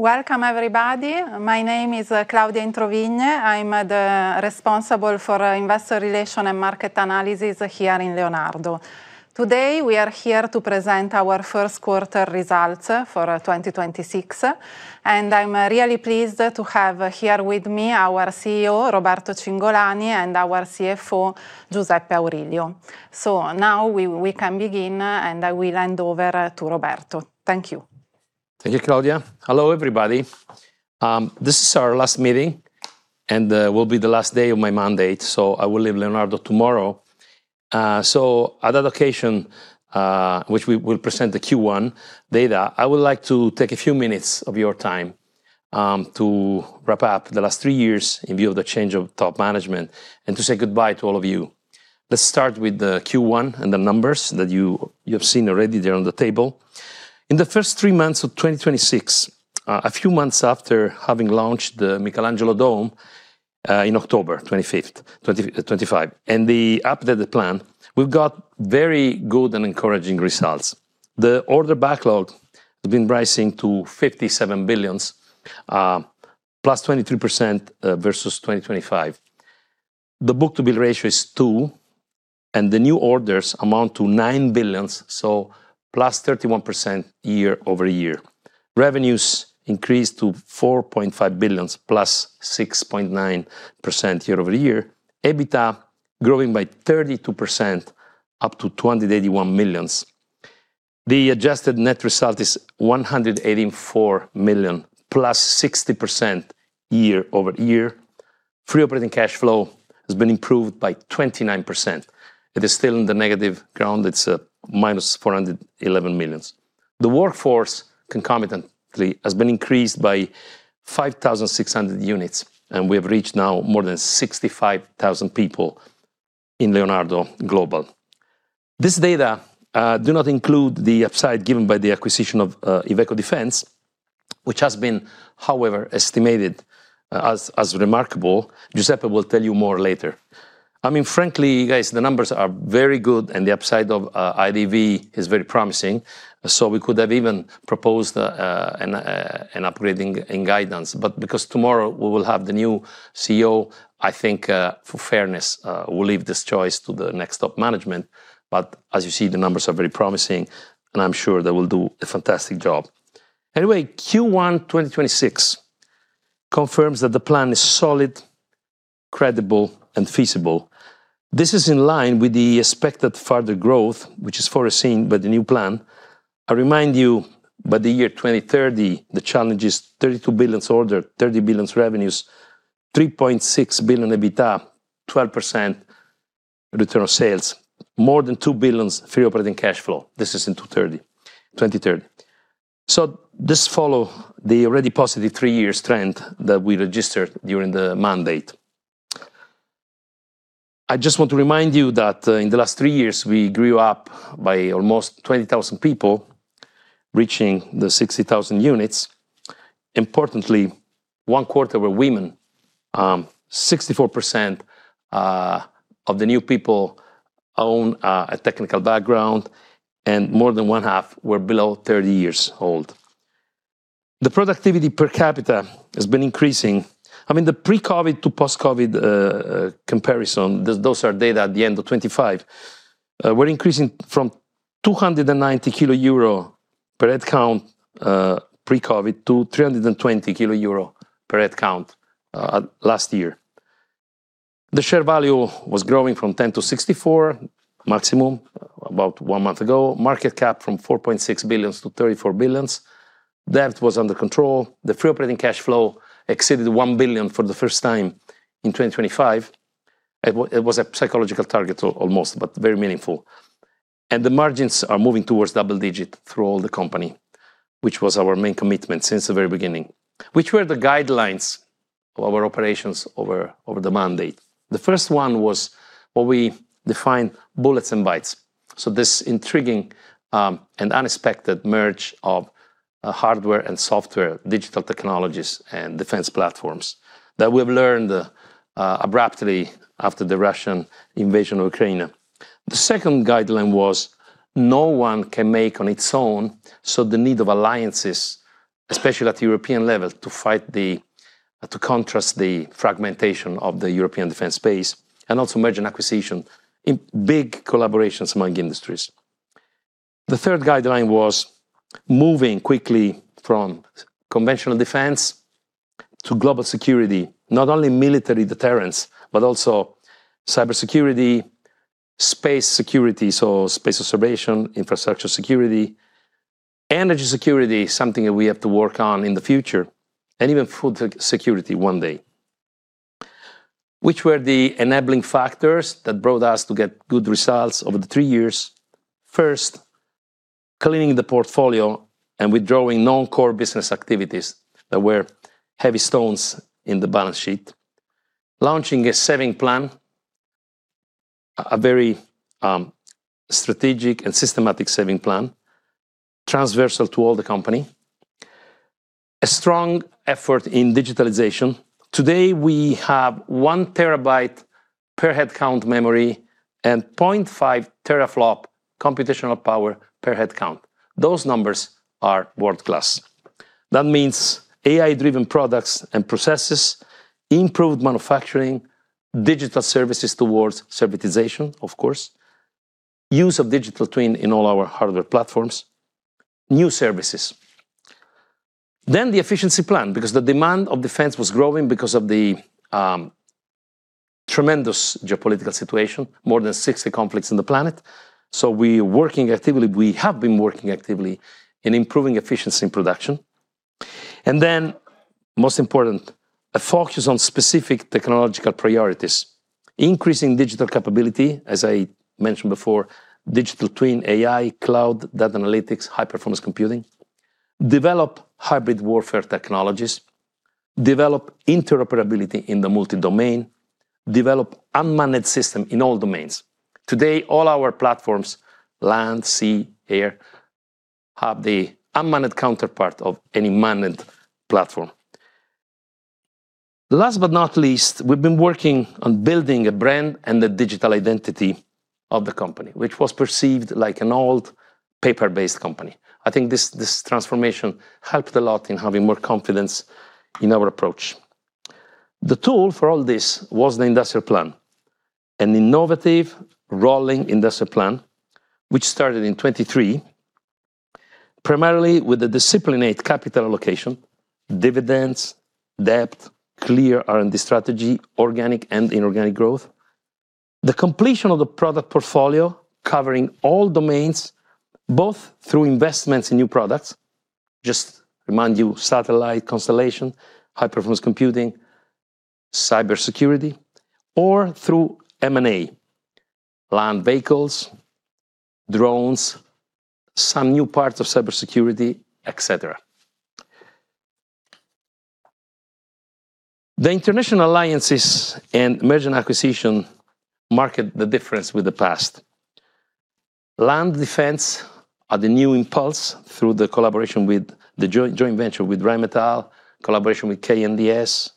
Welcome, everybody. My name is Claudia Introvigne. I'm the responsible for our investor relations and market analysis here in Leonardo. Today, we are here to present our first quarter results for 2026. I'm really pleased to have here with me our CEO, Roberto Cingolani, and our CFO, Giuseppe Aurilio. Now we can begin, and I will hand over to Roberto. Thank you. Thank you, Claudia. Hello, everybody. This is our last meeting, and will be the last day of my mandate, I will leave Leonardo tomorrow. At the location, which we will present the Q1 data, I would like to take a few minutes of your time to wrap up the last three years in view of the change of top management and to say goodbye to all of you. Let's start with the Q1 and the numbers that you've seen already there on the table. In the first three months of 2026, a few months after having launched the Michelangelo Dome, in October 25th, 2025, and the updated plan, we've got very good and encouraging results. The order backlog has been rising to 57 billion, +23% versus 2025. The book-to-bill ratio is 2. The new orders amount to 9 billion, +31% year-over-year. Revenues increased to 4.5 billion, +6.9% year-over-year. EBITDA growing by 32% up to 2.081 million. The adjusted net result is 184 million, +60% year-over-year. Free operating cash flow has been improved by 29%. It is still in the negative ground. It's -411 million. The workforce concomitantly has been increased by 5,600 units. We have reached now more than 65,000 people in Leonardo Global. This data do not include the upside given by the acquisition of Iveco Defence, which has been, however, estimated as remarkable. Giuseppe will tell you more later. I mean, frankly, guys, the numbers are very good and the upside of IDV is very promising, we could have even proposed an upgrading in guidance. Because tomorrow we will have the new CEO, I think, for fairness, we'll leave this choice to the next top management. As you see, the numbers are very promising, and I'm sure they will do a fantastic job. Anyway, Q1 2026 confirms that the plan is solid, credible, and feasible. This is in line with the expected further growth, which is foreseen by the new plan. I remind you, by the year 2030, the challenge is 32 billion order, 30 billion revenues, 3.6 billion EBITDA, 12% return on sales, more than 2 billion free operating cashflow. This is in 2030. This follow the already positive three-years trend that we registered during the mandate. I just want to remind you that, in the last three years, we grew up by almost 20,000 people, reaching the 60,000 units. Importantly, 1/4 were women. 64% of the new people own a technical background, and more than one half were below 30 years old. The productivity per capita has been increasing. I mean, the pre-COVID to post-COVID comparison, those are data at the end of 2025, we're increasing from 290,000 euro per head count pre-COVID to 320,000 euro per head count last year. The share value was growing from 10 to 64 maximum about one month ago. Market cap from 4.6 billion to 34 billion. Debt was under control. The free operating cash flow exceeded 1 billion for the first time in 2025. It was a psychological target almost, very meaningful. The margins are moving towards double-digit through all the company, which was our main commitment since the very beginning. Which were the guidelines of our operations over the mandate? The first one was what we define bullets and bytes, so this intriguing and unexpected merge of hardware and software, digital technologies and defense platforms that we've learned abruptly after the Russian invasion of Ukraine. The second guideline was no one can make on its own, so the need of alliances, especially at the European level, to fight to contrast the fragmentation of the European defense space, and also merger and acquisition in big collaborations among industries. The third guideline was moving quickly from conventional defense to global security, not only military deterrence, but also cybersecurity, space security, so space observation, infrastructure security, energy security, something that we have to work on in the future, and even food security one day. Which were the enabling factors that brought us to get good results over the three years? First, cleaning the portfolio and withdrawing non-core business activities that were heavy stones in the balance sheet. Launching a saving plan, a very strategic and systematic saving plan, transversal to all the company. A strong effort in digitalization. Today, we have 1 TB per headcount memory and 0.5 teraflop computational power per headcount. Those numbers are world-class. That means AI-driven products and processes, improved manufacturing, digital services towards servitization, of course, use of digital twin in all our hardware platforms, new services. The efficiency plan, because the demand of defense was growing because of the tremendous geopolitical situation, more than 60 conflicts in the planet, so we're working actively. We have been working actively in improving efficiency in production. Most important, a focus on specific technological priorities, increasing digital capability, as I mentioned before, digital twin, AI, cloud, data analytics, high-performance computing, develop hybrid warfare technologies, develop interoperability in the multi-domain, develop unmanned system in all domains. Today, all our platforms, land, sea, air, have the unmanned counterpart of any manned platform. Last but not least, we've been working on building a brand and the digital identity of the company, which was perceived like an old paper-based company. I think this transformation helped a lot in having more confidence in our approach. The tool for all this was the industrial plan, an innovative rolling industrial plan, which started in 2023, primarily with the disciplined capital allocation, dividends, debt, clear R&D strategy, organic and inorganic growth. The completion of the product portfolio covering all domains, both through investments in new products, just remind you, satellite constellation, high-performance computing, cybersecurity, or through M&A, land vehicles, drones, some new parts of cybersecurity, et cetera. The international alliances and merger and acquisition marked the difference with the past. Land Defense are the new impulse through the collaboration with the joint venture with Rheinmetall, collaboration with KNDS,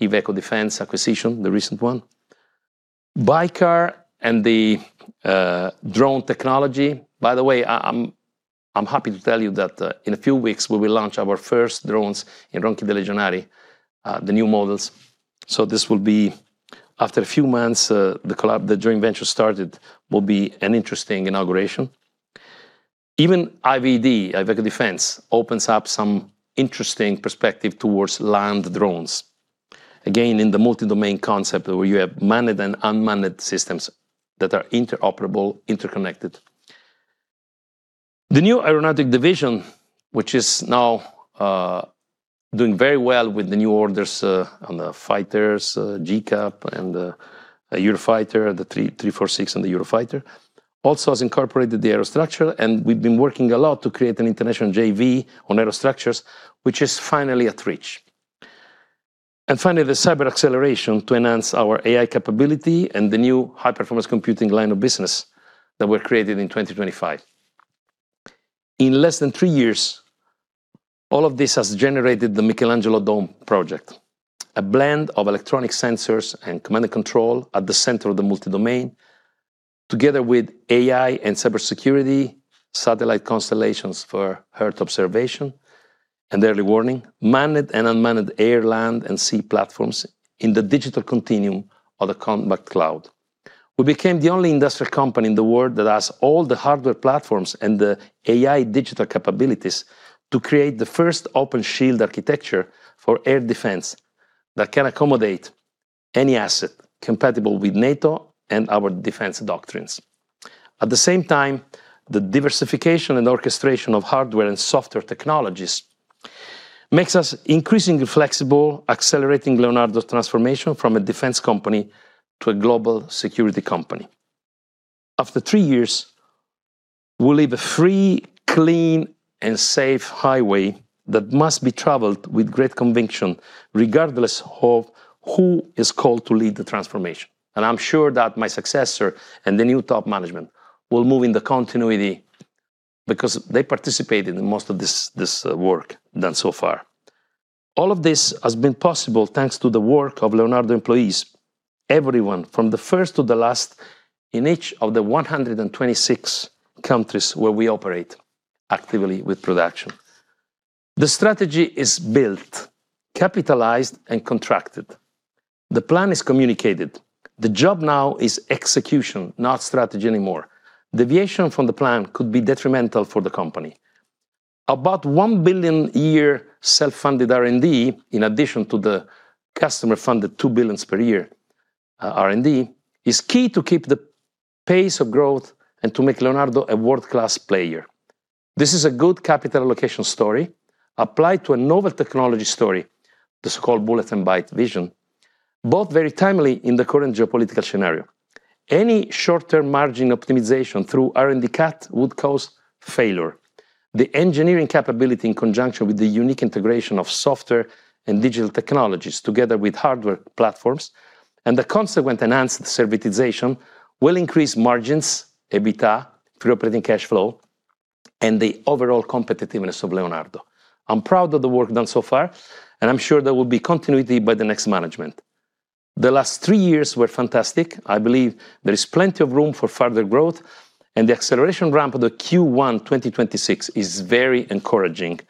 Iveco Defence acquisition, the recent one, Baykar and the drone technology. By the way, I'm happy to tell you that in a few weeks we will launch our first drones in Ronchi dei Legionari, the new models, so this will be, after a few months, the joint venture started, an interesting inauguration. Even IDV, Iveco Defence, opens up some interesting perspective towards land drones. Again, in the multi-domain concept where you have manned and unmanned systems that are interoperable, interconnected. The new aeronautic division, which is now doing very well with the new orders on the fighters, GCAP and Eurofighter, the M-346 and the Eurofighter, also has incorporated the Aerostructures, we've been working a lot to create an international JV on Aerostructures, which is finally at reach. Finally, the cyber acceleration to enhance our AI capability and the new high-performance computing line of business that were created in 2025. In less than three years, all of this has generated the Michelangelo Dome project, a blend of electronic sensors and command and control at the center of the multi-domain, together with AI and cybersecurity, satellite constellations for Earth observation and early warning, manned and unmanned air, land, and sea platforms in the digital continuum of the combat cloud. We became the only industrial company in the world that has all the hardware platforms and the AI digital capabilities to create the first open shield architecture for air defense that can accommodate any asset compatible with NATO and our defense doctrines. At the same time, the diversification and orchestration of hardware and software technologies makes us increasingly flexible, accelerating Leonardo's transformation from a defense company to a global security company. After three years, we leave a free, clean, and safe highway that must be traveled with great conviction, regardless of who is called to lead the transformation, and I'm sure that my successor and the new top management will move in the continuity because they participated in most of this work done so far. All of this has been possible thanks to the work of Leonardo employees, everyone from the first to the last in each of the 126 countries where we operate actively with production. The strategy is built, capitalized, and contracted. The plan is communicated. The job now is execution, not strategy anymore. Deviation from the plan could be detrimental for the company. About 1 billion a year self-funded R&D, in addition to the customer-funded 2 billion per year R&D, is key to keep the pace of growth and to make Leonardo a world-class player. This is a good capital allocation story applied to a novel technology story, the so-called bullets and bytes vision, both very timely in the current geopolitical scenario. Any short-term margin optimization through R&D cut would cause failure. The engineering capability in conjunction with the unique integration of software and digital technologies together with hardware platforms and the consequent enhanced servitization will increase margins, EBITDA, free operating cash flow, and the overall competitiveness of Leonardo. I'm proud of the work done so far, and I'm sure there will be continuity by the next management. The last three years were fantastic. I believe there is plenty of room for further growth, and the acceleration ramp of the Q1 2026 is very encouraging.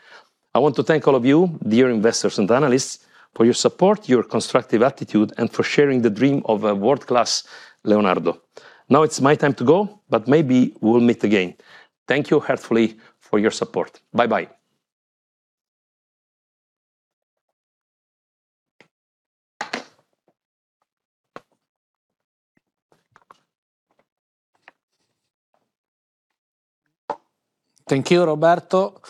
I want to thank all of you, dear investors and analysts, for your support, your constructive attitude, and for sharing the dream of a world-class Leonardo. Now it's my time to go, but maybe we'll meet again. Thank you heartily for your support. Bye-bye. Thank you, Roberto,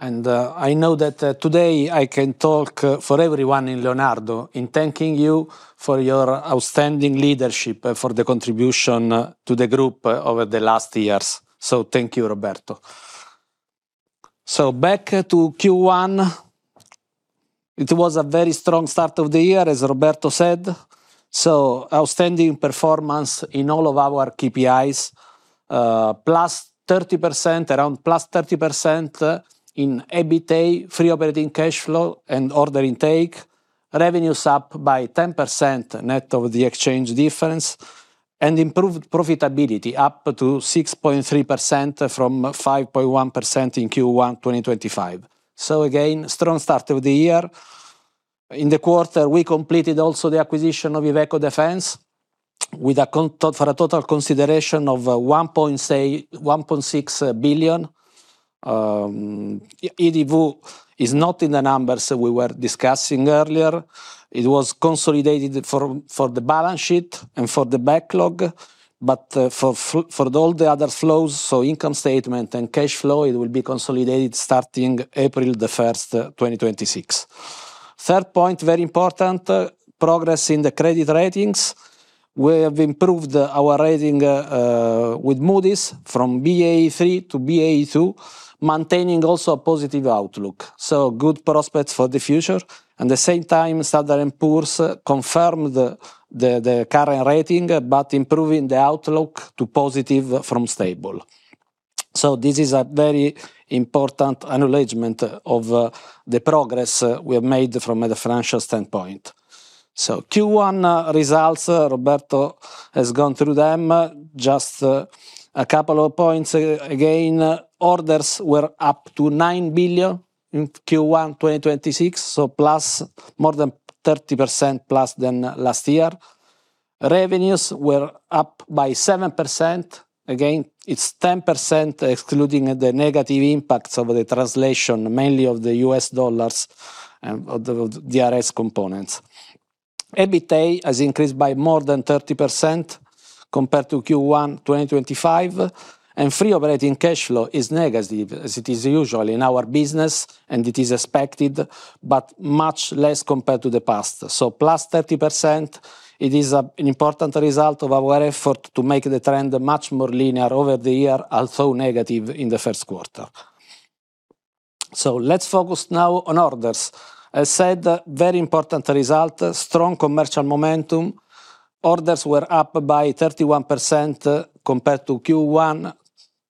I know that today I can talk for everyone in Leonardo in thanking you for your outstanding leadership and for the contribution to the group over the last years. Thank you, Roberto. Back to Q1, it was a very strong start of the year, as Roberto said, outstanding performance in all of our KPIs. +30%, around +30%, in EBITDA, free operating cash flow and order intake. Revenues up by 10% net of the exchange difference, and improved profitability, up to 6.3% from 5.1% in Q1 2025. Again, strong start of the year. In the quarter, we completed also the acquisition of Iveco Defence for a total consideration of 1.6 billion. IDV is not in the numbers we were discussing earlier. It was consolidated for the balance sheet and for the backlog, for all the other flows, so income statement and cash flow, it will be consolidated starting April 1st, 2026. Third point, very important, progress in the credit ratings. We have improved our rating with Moody's from Ba3 to Ba2, maintaining also a positive outlook, good prospects for the future. At the same time, Standard & Poor's confirmed the current rating but improving the outlook to positive from stable. This is a very important acknowledgement of the progress we have made from a financial standpoint. Q1 results, Roberto has gone through them. Just a couple of points. Again, orders were up to 9 billion in Q1 2026, plus more than 30% than last year. Revenues were up by 7%. Again, it's 10% excluding the negative impacts of the translation, mainly of the U.S. dollars and of the DRS components. EBITDA has increased by more than 30% compared to Q1 2025. Free operating cash flow is negative, as it is usual in our business. It is expected, much less compared to the past. +30%, it is an important result of our effort to make the trend much more linear over the year, although negative in the first quarter. Let's focus now on orders. I said very important result, strong commercial momentum. Orders were up by 31% compared to Q1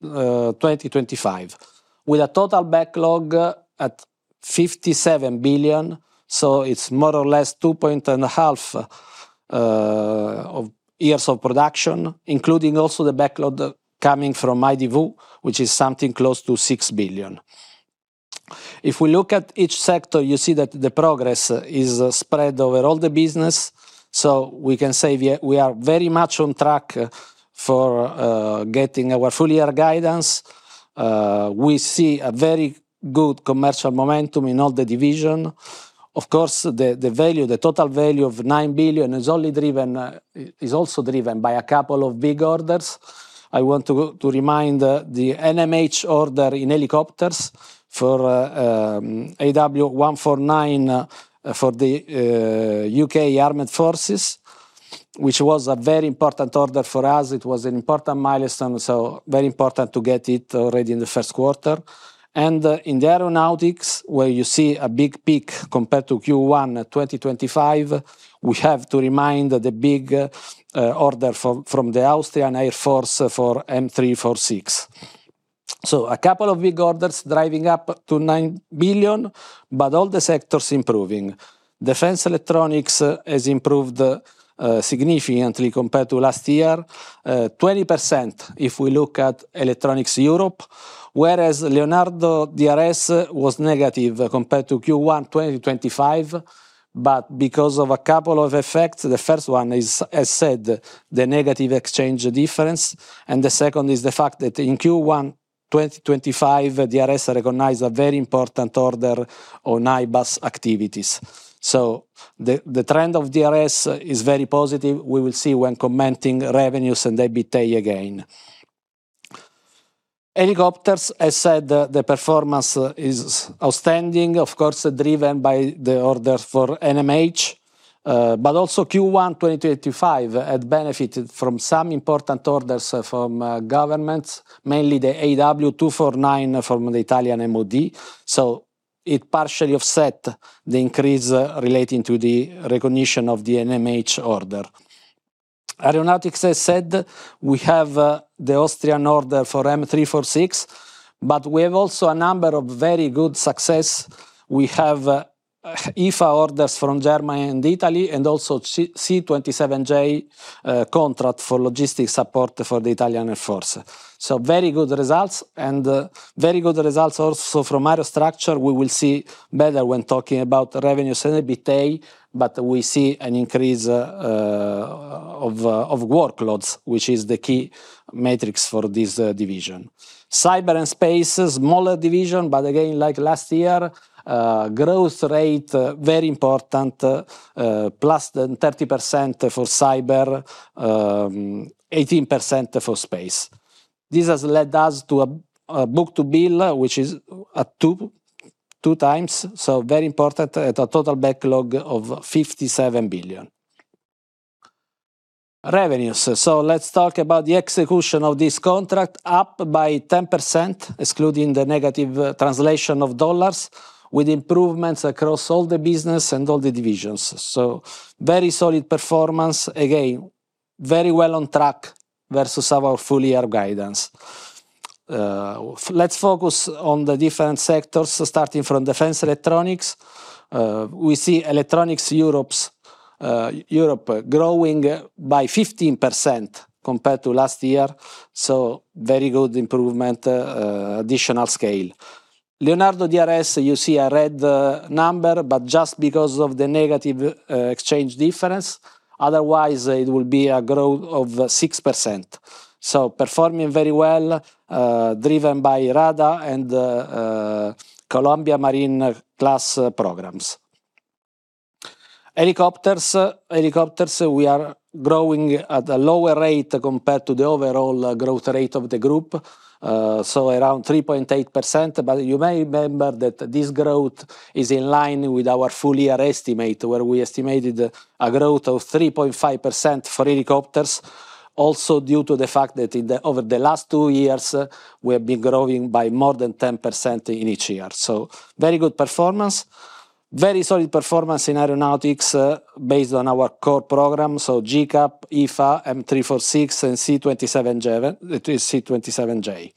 2025, with a total backlog at 57 billion. It's more or less 2.5 years of production, including also the backlog coming from IDV, which is something close to 6 billion. If we look at each sector, you see that the progress is spread over all the business, we can say we are very much on track for getting our full-year guidance. We see a very good commercial momentum in all the division. Of course, the value, the total value of 9 billion is only driven, is also driven by a couple of big orders. I want to remind the NMH order in helicopters for AW149 for the U.K. Armed Forces, which was a very important order for us. It was an important milestone, very important to get it already in the first quarter. In the aeronautics, where you see a big peak compared to Q1 2025, we have to remind the big order from the Austrian Air Force for M346. A couple of big orders driving up to 9 billion, but all the sectors improving. Defense electronics has improved significantly compared to last year, 20% if we look at Electronics Europe. Leonardo DRS was negative compared to Q1 2025, but because of a couple of effects, the first one is, as said, the negative exchange difference, and the second is the fact that in Q1 2025, DRS recognized a very important order on IBAS activities. The trend of DRS is very positive. We will see when commenting revenues and EBITDA again. Helicopters, I said the performance is outstanding, of course, driven by the order for NMH. Q1 2025 had benefited from some important orders from governments, mainly the AW249 from the Italian MoD, so it partially offset the increase relating to the recognition of the NMH order. Aeronautics has said we have the Austrian order for M-346, we have also a number of very good success. We have Eurofighter orders from Germany and Italy, and also C-27J contract for logistics support for the Italian Air Force. Very good results, very good results also from Aerostructures. We will see better when talking about revenue and EBITDA, but we see an increase of workloads, which is the key metrics for this division. Cyber & Space, a smaller division, but again, like last year, growth rate very important, +30% for Cyber, 18% for Space. This has led us to a book-to-bill, which is 2x, very important at a total backlog of 57 billion. Revenues. Let's talk about the execution of this contract up by 10%, excluding the negative translation of dollars, with improvements across all the business and all the divisions. Very solid performance. Again, very well on track versus our full-year guidance. Let's focus on the different sectors, starting from Defense Electronics. We see Electronics Europe growing by 15% compared to last year, very good improvement, additional scale. Leonardo DRS, you see a red number, but just because of the negative exchange difference, otherwise it would be a growth of 6%. Performing very well, driven by radar and Columbia-class submarine programs. Helicopters. Helicopters, we are growing at a lower rate compared to the overall growth rate of the group, so around 3.8%. You may remember that this growth is in line with our full-year estimate, where we estimated a growth of 3.5% for helicopters, also due to the fact that over the last two years, we have been growing by more than 10% in each year. Very good performance. Very solid performance in Aeronautics, based on our core program. GCAP, EFA, M-346, and C-27J.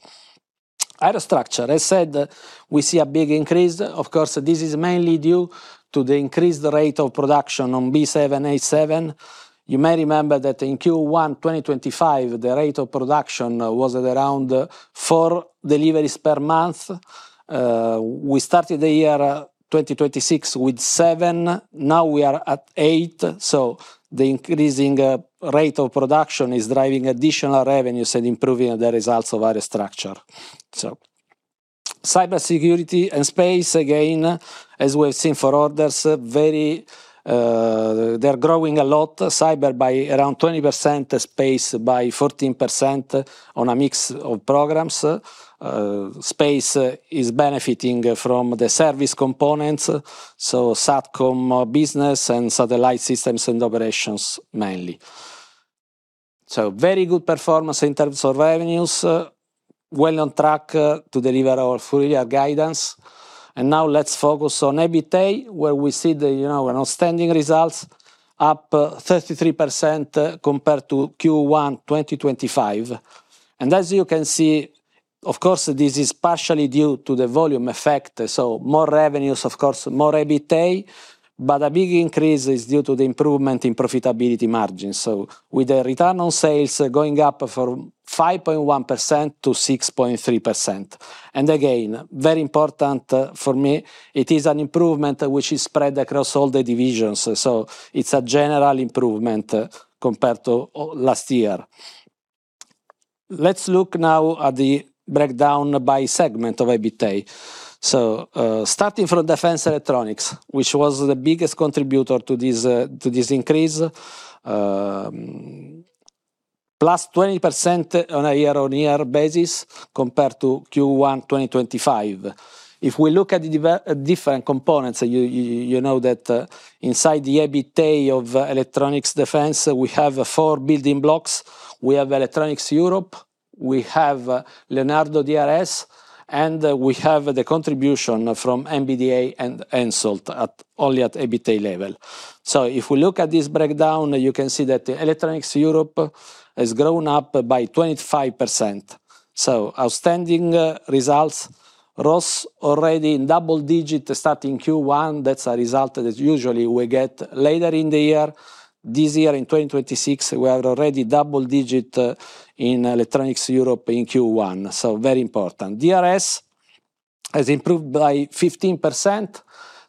Aerostructures. I said we see a big increase. Of course, this is mainly due to the increased rate of production on B787. You may remember that in Q1 2025, the rate of production was at around four deliveries per month. We started the year 2026 with seven. Now we are at eight, the increasing rate of production is driving additional revenues and improving the results of Aerostructures. Cybersecurity & Space, again, as we've seen for orders, very, they're growing a lot. Cyber by around 20%, Space by 14% on a mix of programs. Space is benefiting from the service components, so SATCOM business and satellite systems and operations mainly. Very good performance in terms of revenues, well on track to deliver our full-year guidance. Now let's focus on EBITDA, where we see the, you know, outstanding results, up 33% compared to Q1 2025. As you can see, of course, this is partially due to the volume effect, so more revenues, of course, more EBITDA, but a big increase is due to the improvement in profitability margins, so with the return on sales going up from 5.1%-6.3%. Again, very important for me, it is an improvement which is spread across all the divisions, so it's a general improvement compared to last year. Let's look now at the breakdown by segment of EBITDA. Starting from Defense Electronics, which was the biggest contributor to this increase, +20% on a year-over-year basis compared to Q1 2025. If we look at the different components, you know that, inside the EBITDA of Defense Electronics, we have four building blocks. We have Electronics Europe, we have Leonardo DRS, and we have the contribution from MBDA and HENSOLDT only at EBITDA level. If we look at this breakdown, you can see that Electronics Europe has grown up by 25%. Outstanding results. ROS already in double digit starting Q1. That is a result that usually we get later in the year. This year in 2026, we are already double digit in Electronics Europe in Q1, very important. DRS has improved by 15%,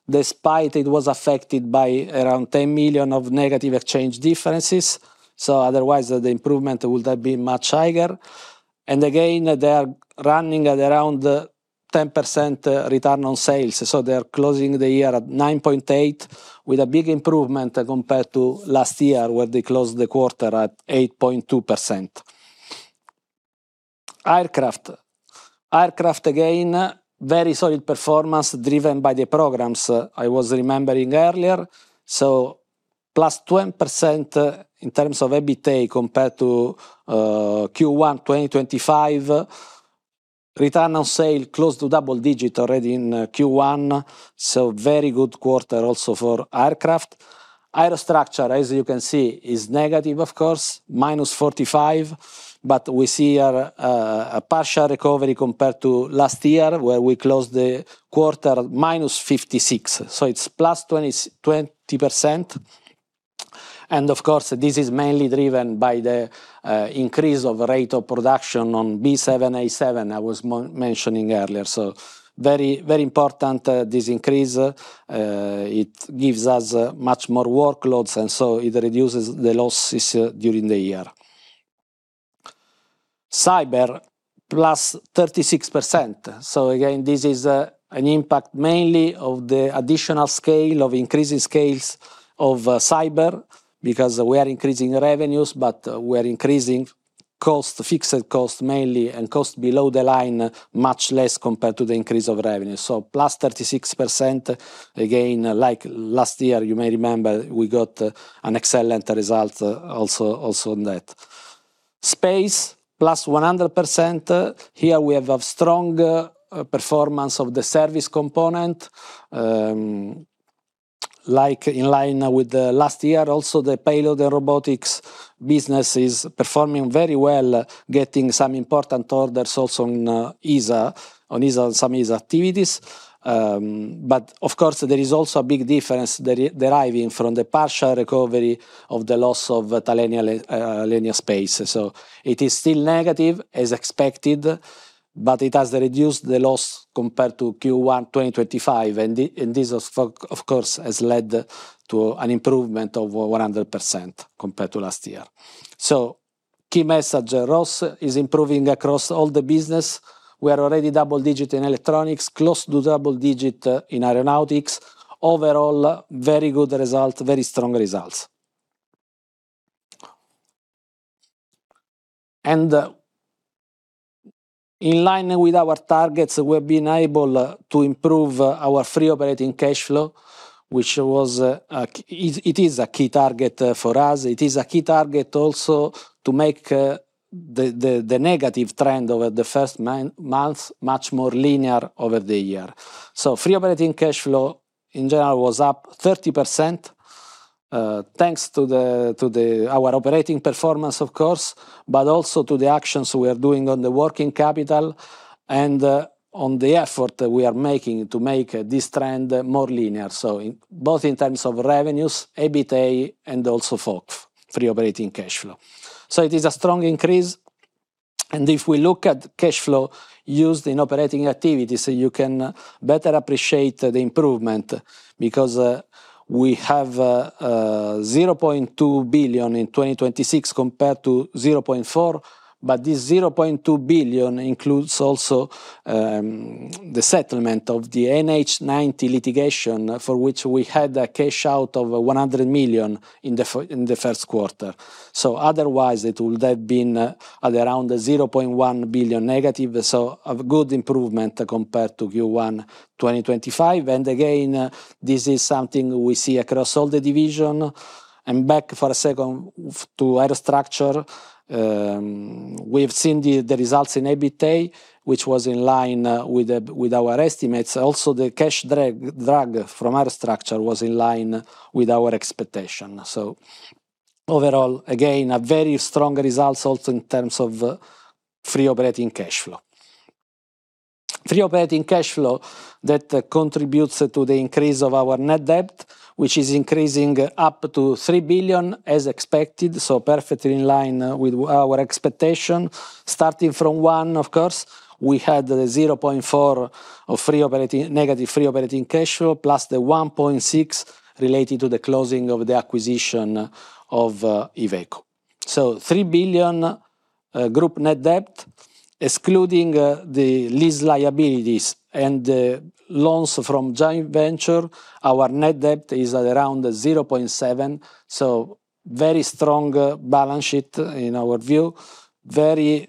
despite it was affected by around $10 million of negative exchange differences, otherwise the improvement would have been much higher. Again, they are running at around 10% return on sales. They are closing the year at 9.8%, with a big improvement compared to last year, where they closed the quarter at 8.2%. Aircraft. Aircraft, again, very solid performance driven by the programs I was remembering earlier. +20% in terms of EBITDA compared to Q1 2025. Return on sale close to double digit already in Q1, very good quarter also for aircraft. Aerostructures, as you can see, is negative, of course, -45%, but we see here a partial recovery compared to last year, where we closed the quarter at -56%, it's +20%. Of course, this is mainly driven by the increase of rate of production on B787 I was mentioning earlier. Very, very important, this increase. It gives us much more workloads, it reduces the losses during the year. Cyber, +36%. Again, this is an impact mainly of the additional scale, of increasing scales of Cyber because we are increasing revenues, but we are increasing cost, fixed cost mainly, and cost below the line much less compared to the increase of revenue. +36%. Again, like last year, you may remember we got an excellent result also on that. Space, +100%. Here we have a strong performance of the service component. Like in line with the last year also, the payload and robotics business is performing very well, getting some important orders also on ESA, on some ESA activities. Of course, there is also a big difference deriving from the partial recovery of the loss of Thales Alenia Space. It is still negative as expected, but it has reduced the loss compared to Q1 2025, and this of course, has led to an improvement of 100% compared to last year. Key message, ROS is improving across all the business. We are already double-digit in electronics, close to double-digit in aeronautics. Overall, very good result, very strong results. In line with our targets, we've been able to improve our free operating cash flow, which was, it is a key target for us. It is a key target also to make the negative trend over the first months much more linear over the year. Free operating cash flow, in general, was up 30%, thanks to our operating performance, of course, but also to the actions we are doing on the working capital and on the effort that we are making to make this trend more linear. In both in terms of revenues, EBITA, and also FOCF, free operating cash flow. It is a strong increase. If we look at cash flow used in operating activities, you can better appreciate the improvement because we have 0.2 billion in 2026 compared to 0.4 billion, but this 0.2 billion includes also the settlement of the NH90 litigation for which we had a cash out of 100 million in the first quarter. Otherwise, it would have been at around 0.1 billion negative, a good improvement compared to Q1 2025. This is something we see across all the division. Back for a second to Aerostructures. We've seen the results in EBITA, which was in line with our estimates. Also, the cash drag from Aerostructures was in line with our expectation. Overall, again, a very strong results also in terms of free operating cash flow. Free operating cash flow that contributes to the increase of our net debt, which is increasing up to 3 billion as expected, perfectly in line with our expectation. Starting from 1 billion, of course, we had 0.4 billion of free operating, negative free operating cash flow, plus 1.6 billion related to the closing of the acquisition of Iveco. 3 billion group net debt, excluding the lease liabilities and loans from joint venture, our net debt is at around 0.7 billion, very strong balance sheet in our view, very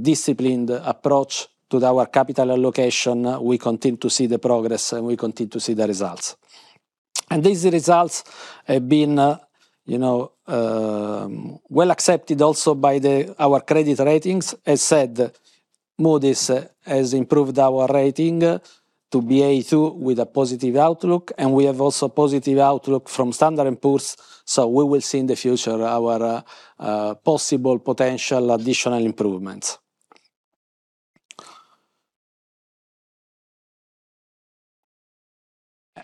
disciplined approach to our capital allocation. We continue to see the progress, and we continue to see the results. These results have been, you know, well accepted also by our credit ratings. As said, Moody's has improved our rating to Ba2 with a positive outlook, and we have also positive outlook from Standard & Poor's, we will see in the future our possible potential additional improvements.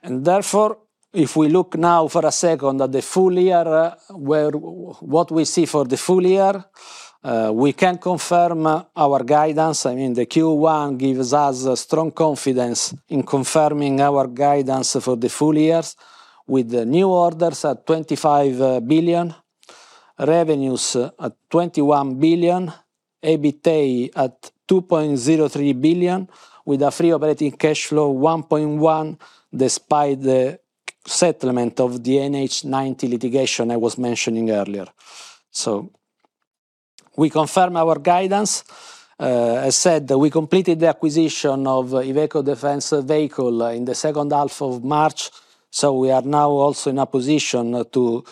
Therefore, if we look now for a second at the full year, what we see for the full year, we can confirm our guidance. I mean, the Q1 gives us a strong confidence in confirming our guidance for the full year with the new orders at 25 billion, revenues at 21 billion, EBITA at 2.03 billion, with a free operating cash flow of 1.1 billion, despite the settlement of the NH90 litigation I was mentioning earlier. We confirm our guidance. As said, we completed the acquisition of Iveco Defence Vehicles in the second half of March, so we are now also in a position to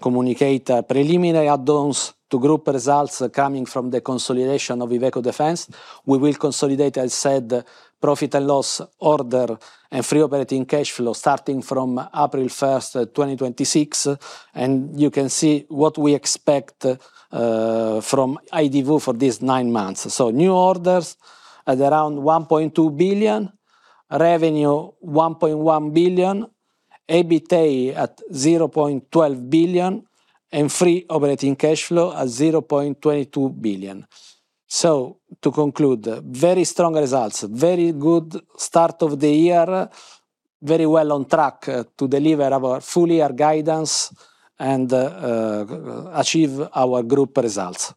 communicate preliminary add-ons. To group results coming from the consolidation of Iveco Defence, we will consolidate, I said, profit and loss order and free operating cash flow starting from April 1st, 2026. You can see what we expect from IDV for these nine months. New orders at around 1.2 billion. Revenue, 1.1 billion. EBITA at 0.12 billion, and free operating cash flow at 0.22 billion. To conclude, very strong results, very good start of the year, very well on track to deliver our full year guidance and achieve our group results.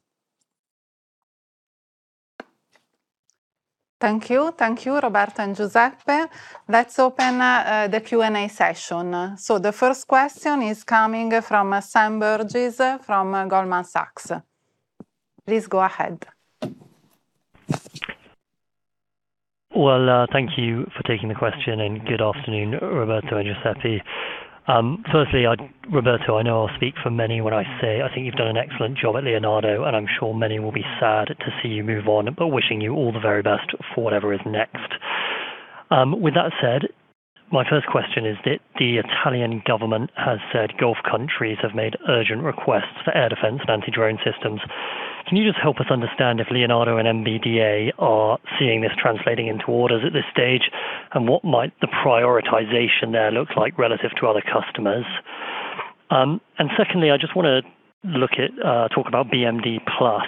Thank you. Thank you, Roberto and Giuseppe. Let's open the Q&A session. The first question is coming from Sam Burgess from Goldman Sachs. Please go ahead. Well, thank you for taking the question and good afternoon, Roberto and Giuseppe. Firstly, Roberto, I know I'll speak for many when I say I think you've done an excellent job at Leonardo, and I'm sure many will be sad to see you move on. Wishing you all the very best for whatever is next. With that said, my first question is that the Italian government has said Gulf countries have made urgent requests for air defense and anti-drone systems. Can you just help us understand if Leonardo and MBDA are seeing this translating into orders at this stage? What might the prioritization there look like relative to other customers? Secondly, I just wanna look at, talk about BMD Plus.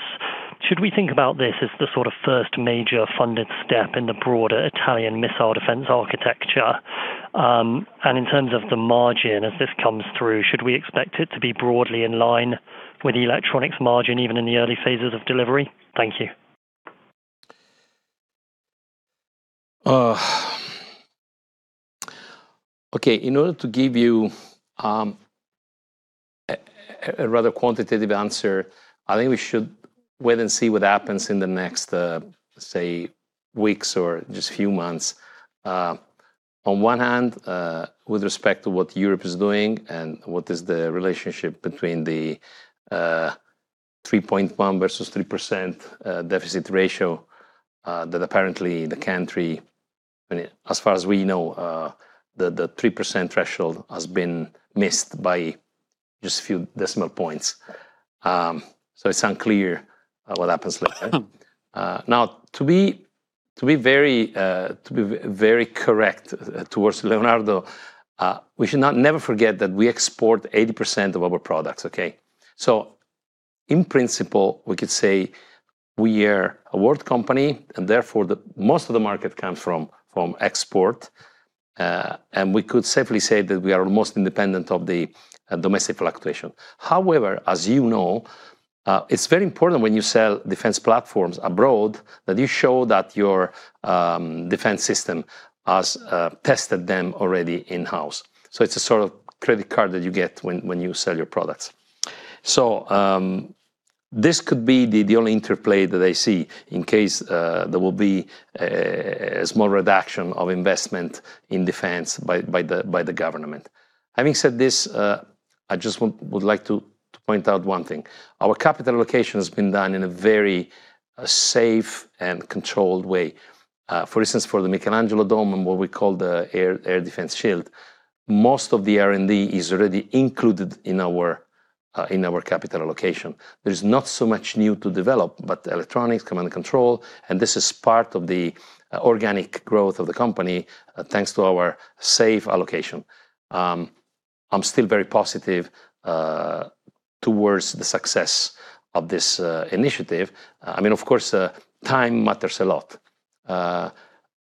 Should we think about this as the sort of first major funded step in the broader Italian missile defense architecture? In terms of the margin, as this comes through, should we expect it to be broadly in line with the electronics margin, even in the early phases of delivery? Thank you. Okay. In order to give you a rather quantitative answer, I think we should wait and see what happens in the next say, weeks or just few months. On one hand, with respect to what Europe is doing and what is the relationship between the 3.1% versus 3% deficit ratio that apparently the country, and as far as we know, the 3% threshold has been missed by just a few decimal points. It's unclear what happens there, right? Now to be very correct towards Leonardo, we should not never forget that we export 80% of our products, okay? In principle, we could say we are a world company, and therefore most of the market comes from export. And we could safely say that we are almost independent of the domestic fluctuation. However, as you know, it's very important when you sell defense platforms abroad that you show that your defense system has tested them already in-house. It's a sort of credit card that you get when you sell your products. This could be the only interplay that I see in case there will be a small reduction of investment in defense by the government. Having said this, I would like to point out one thing. Our capital allocation has been done in a very safe and controlled way. For instance, for the Michelangelo Dome and what we call the air defense shield, most of the R&D is already included in our capital allocation. There is not so much new to develop, but electronics, command and control, and this is part of the organic growth of the company, thanks to our safe allocation. I'm still very positive towards the success of this initiative. I mean, of course, time matters a lot.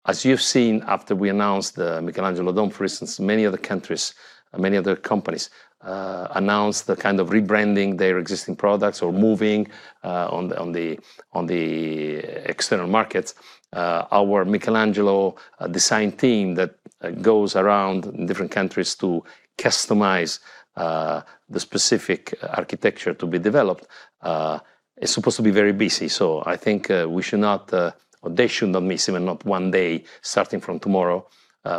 As you've seen, after we announced the Michelangelo Dome, for instance, many other countries, many other companies, announced the kind of rebranding their existing products or moving on the external markets. Our Michelangelo design team that goes around different countries to customize, the specific architecture to be developed, is supposed to be very busy. I think, we should not, or they should not miss even not one day starting from tomorrow,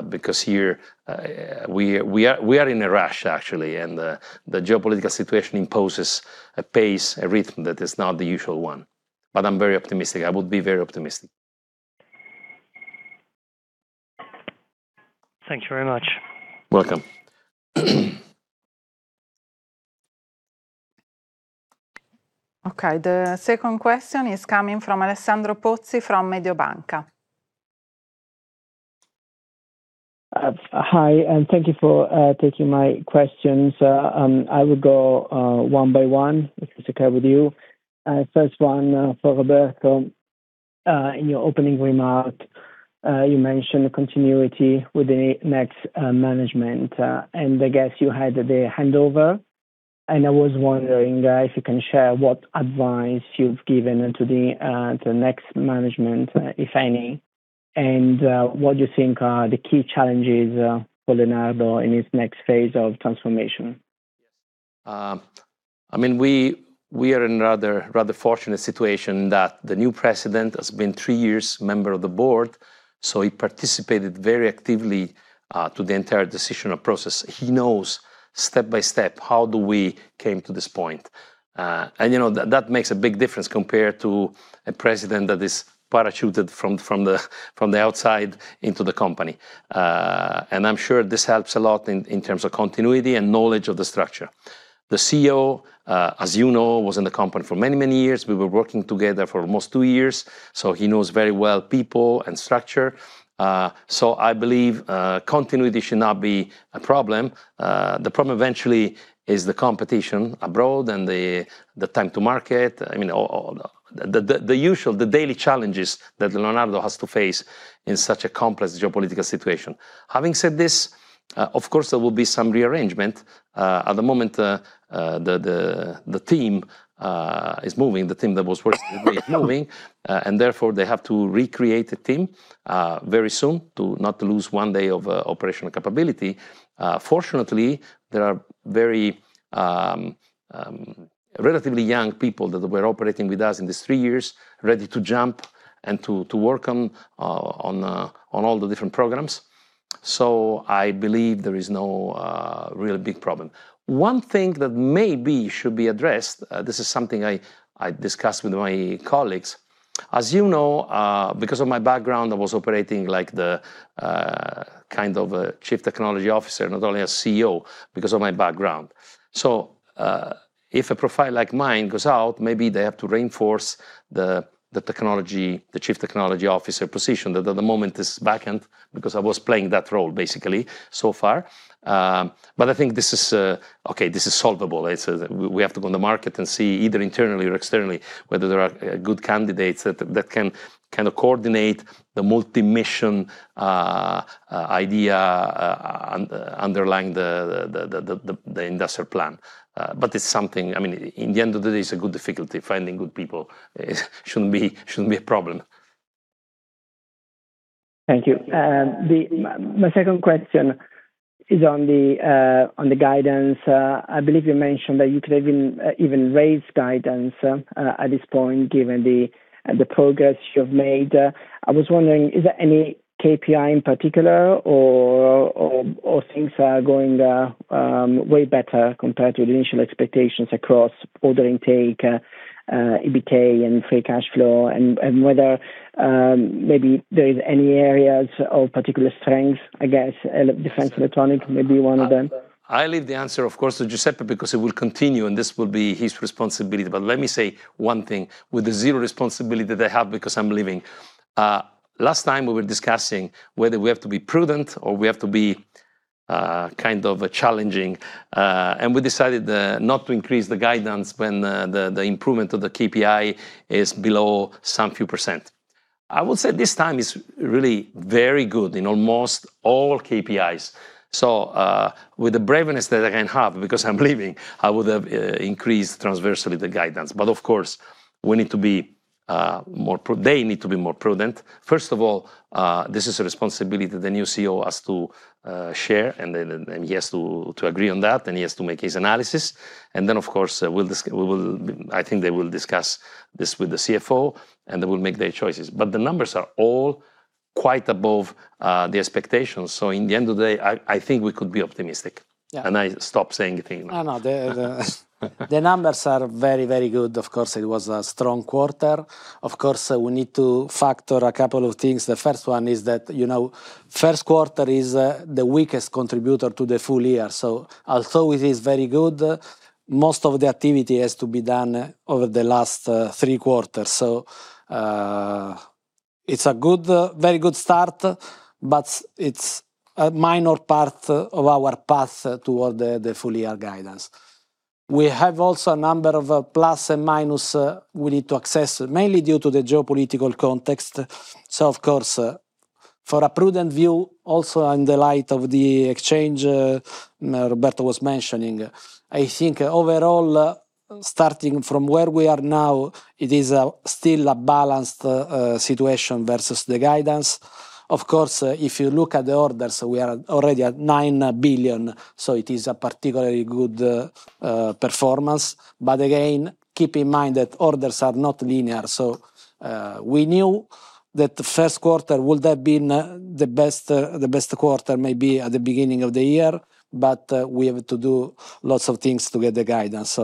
because here, we are in a rush, actually. The geopolitical situation imposes a pace, a rhythm that is not the usual one. I'm very optimistic. I would be very optimistic. Thank you very much. Welcome. Okay. The second question is coming from Alessandro Pozzi from Mediobanca. Hi, and thank you for taking my questions. I will go one by one, if it's okay with you. First one, for Roberto. In your opening remark, you mentioned continuity with the next management. I guess you had the handover, and I was wondering, if you can share what advice you've given to the next management, if any, and what you think are the key challenges, for Leonardo in its next phase of transformation. I mean, we are in rather fortunate situation that the new president has been three years member of the board, so he participated very actively to the entire decisional process. He knows step by step how do we came to this point. You know, that makes a big difference compared to a president that is parachuted from the outside into the company. I'm sure this helps a lot in terms of continuity and knowledge of the structure. The CEO, as you know, was in the company for many, many years. We were working together for almost two years, so he knows very well people and structure. I believe continuity should not be a problem. The problem eventually is the competition abroad and the time to market. I mean, all the usual, the daily challenges that Leonardo has to face in such a complex geopolitical situation. Having said this, of course, there will be some rearrangement. At the moment, the team is moving, the team that was working with me is moving, and therefore they have to recreate the team very soon to not lose one day of operational capability. Fortunately, there are very relatively young people that were operating with us in these three years, ready to jump and to work on all the different programs. I believe there is no real big problem. One thing that maybe should be addressed, this is something I discussed with my colleagues. As you know, because of my background, I was operating like the kind of a Chief Technology Officer, not only a CEO, because of my background. If a profile like mine goes out, maybe they have to reinforce the technology, the Chief Technology Officer position that at the moment is vacant, because I was playing that role basically so far. I think this is okay, this is solvable. It's, we have to go on the market and see either internally or externally whether there are good candidates that can kind of coordinate the multi-mission idea underlying the industrial plan. It's something, I mean, in the end of the day it's a good difficulty. Finding good people shouldn't be a problem. Thank you. My second question is on the guidance. I believe you mentioned that you could even raise guidance at this point, given the progress you've made. I was wondering, is there any KPI in particular or things are going way better compared to the initial expectations across order intake, EBITA and free cash flow and whether maybe there is any areas of particular strength, I guess, defense electronic may be one of them? I leave the answer of course to Giuseppe because it will continue, and this will be his responsibility. Let me say one thing with the zero responsibility that I have because I'm leaving. Last time we were discussing whether we have to be prudent or we have to be kind of challenging, and we decided not to increase the guidance when the improvement of the KPI is below some few percent. I would say this time is really very good in almost all KPIs. With the braveness that I can have because I'm leaving, I would have increased transversely the guidance. Of course, they need to be more prudent. First of all, this is a responsibility the new CEO has to share and then, and he has to agree on that, and he has to make his analysis. Of course, we will, I think they will discuss this with the CFO, and they will make their choices. The numbers are all quite above the expectations, so in the end of the day, I think we could be optimistic. Yeah. I stop saying anything now. The numbers are very, very good. Of course, it was a strong quarter. Of course, we need to factor a couple of things. The first one is that, you know, first quarter is the weakest contributor to the full year. Although it is very good, most of the activity has to be done over the last three quarters. It's a good, very good start, but it's a minor part of our path toward the full year guidance. We have also a number of plus and minus we need to assess, mainly due to the geopolitical context. Of course, for a prudent view also in the light of the exchange Roberto was mentioning, I think overall, starting from where we are now, it is a still balanced situation versus the guidance. Of course, if you look at the orders, we are already at 9 billion, it is a particularly good performance. Again, keep in mind that orders are not linear, we knew that the first quarter would have been the best quarter maybe at the beginning of the year, we have to do lots of things to get the guidance.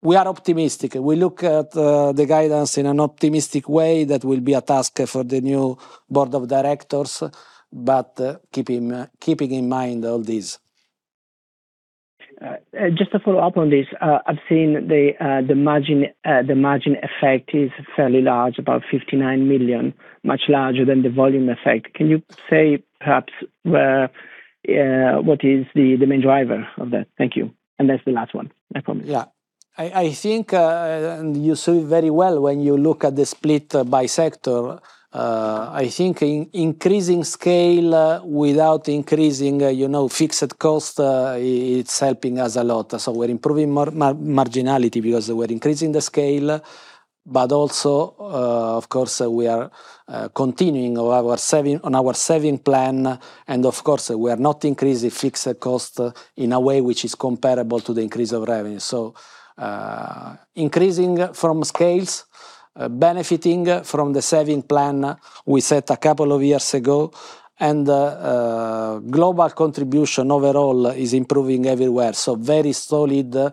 We are optimistic. We look at the guidance in an optimistic way. That will be a task for the new board of directors, keeping in mind all this. Just to follow up on this, I've seen the margin effect is fairly large, about 59 million, much larger than the volume effect. Can you say perhaps where, what is the main driver of that? Thank you, and that's the last one, I promise. I think, you saw it very well when you look at the split by sector, I think in increasing scale without increasing, you know, fixed cost, it's helping us a lot. We're improving marginality because we're increasing the scale. Also, of course, we are continuing our saving plan. Of course, we are not increasing fixed cost in a way which is comparable to the increase of revenue. Increasing from scales, benefiting from the saving plan we set a couple of years ago. Global contribution overall is improving everywhere, very solid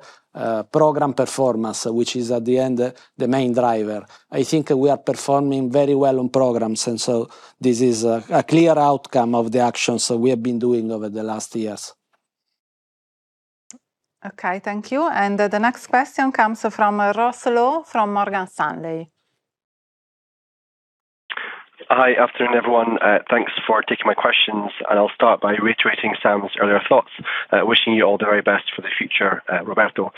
program performance, which is, at the end, the main driver. I think we are performing very well on programs, this is a clear outcome of the actions we have been doing over the last years. Okay, thank you. The next question comes from Ross Law from Morgan Stanley. Hi. Afternoon, everyone. Thanks for taking my questions, and I'll start by reiterating Sam's earlier thoughts. Wishing you all the very best for the future, Roberto.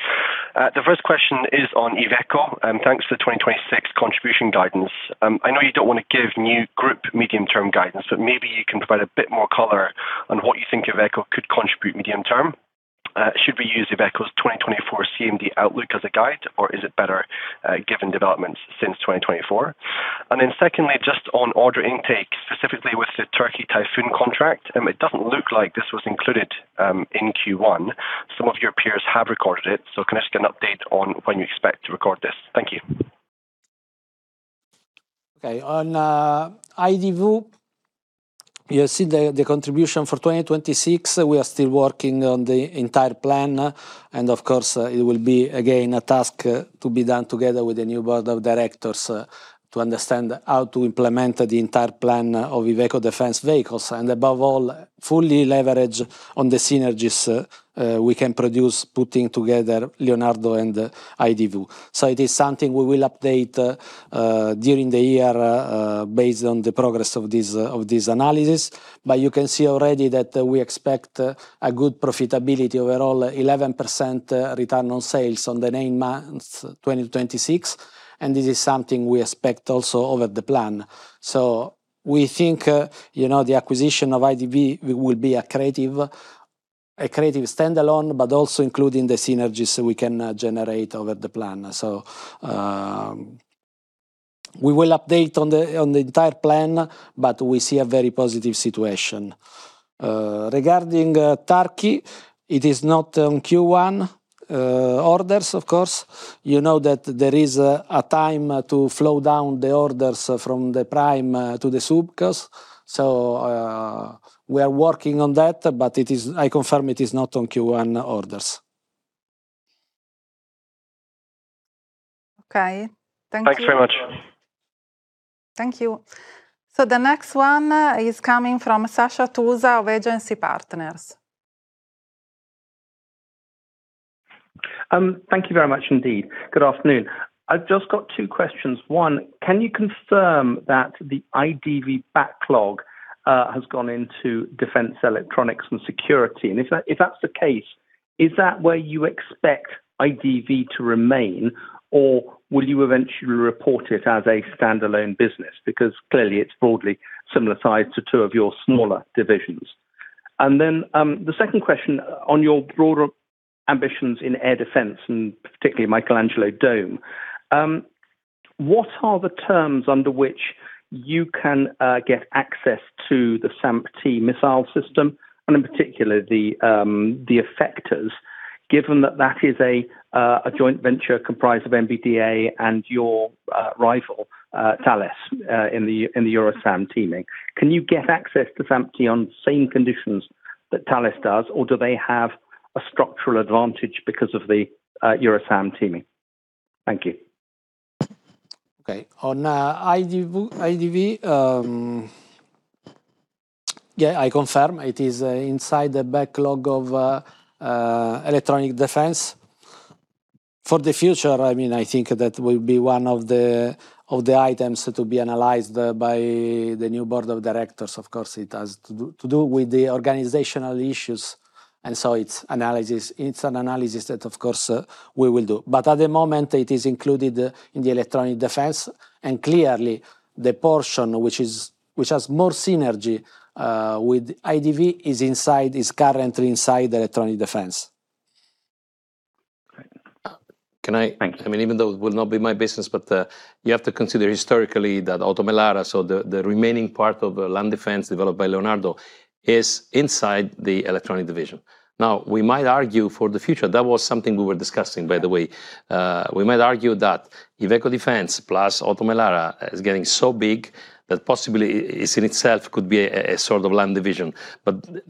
The first question is on Iveco, and thanks for 2026 contribution guidance. I know you don't wanna give new group medium-term guidance, but maybe you can provide a bit more color on what you think Iveco could contribute medium term. Should we use Iveco's 2024 CMD outlook as a guide, or is it better, given developments since 2024? Secondly, just on order intake, specifically with the Turkey Typhoon contract, it doesn't look like this was included in Q1. Some of your peers have recorded it, can I just get an update on when you expect to record this? Thank you. Okay. On IDV, you see the contribution for 2026. We are still working on the entire plan. Of course, it will be again a task to be done together with the new board of directors to understand how to implement the entire plan of Iveco Defence Vehicles. Above all, fully leverage on the synergies we can produce putting together Leonardo and IDV. It is something we will update during the year based on the progress of this analysis. You can see already that we expect a good profitability overall, 11% return on sales on the nine months 2026, this is something we expect also over the plan. We think, you know, the acquisition of IDV will be accretive standalone, also including the synergies we can generate over the plan. We will update on the entire plan, but we see a very positive situation. Regarding Turkey, it is not on Q1 orders, of course. You know that there is a time to flow down the orders from the prime to the subcos. We are working on that, but I confirm it is not on Q1 orders. Okay. Thank you. Thanks very much. Thank you. The next one is coming from Sash Tusa of Agency Partners. Thank you very much indeed. Good afternoon. I've just got two questions. One, can you confirm that the IDV backlog has gone into Defence Electronics and Security? If that, if that's the case, is that where you expect IDV to remain, or will you eventually report it as a standalone business? Because clearly it's broadly similar size to two of your smaller divisions. Then, the second question on your broader ambitions in air defense, and particularly Michelangelo Dome. What are the terms under which you can get access to the SAMP/T missile system and in particular the effectors, given that that is a joint venture comprised of MBDA and your rival Thales in the Eurosam teaming. Can you get access to SAMP/T on same conditions that Thales does, or do they have a structural advantage because of the Eurosam teaming? Thank you. Okay. On IDV, yeah, I confirm it is inside the backlog of electronic defense. For the future, I mean, I think that will be one of the items to be analyzed by the new board of directors. Of course, it has to do with the organizational issues. It's analysis, it's an analysis that of course we will do. At the moment it is included in the electronic defense, and clearly the portion which is, which has more synergy with IDV is inside, is currently inside electronic defense. Great. Can I- Thanks. I mean, even though it will not be my business, you have to consider historically that OTO Melara, so the remaining part of the land defense developed by Leonardo is inside the electronic division. Now, we might argue for the future, that was something we were discussing, by the way. We might argue that Iveco Defence plus OTO Melara is getting so big that possibly it's in itself could be a sort of land division.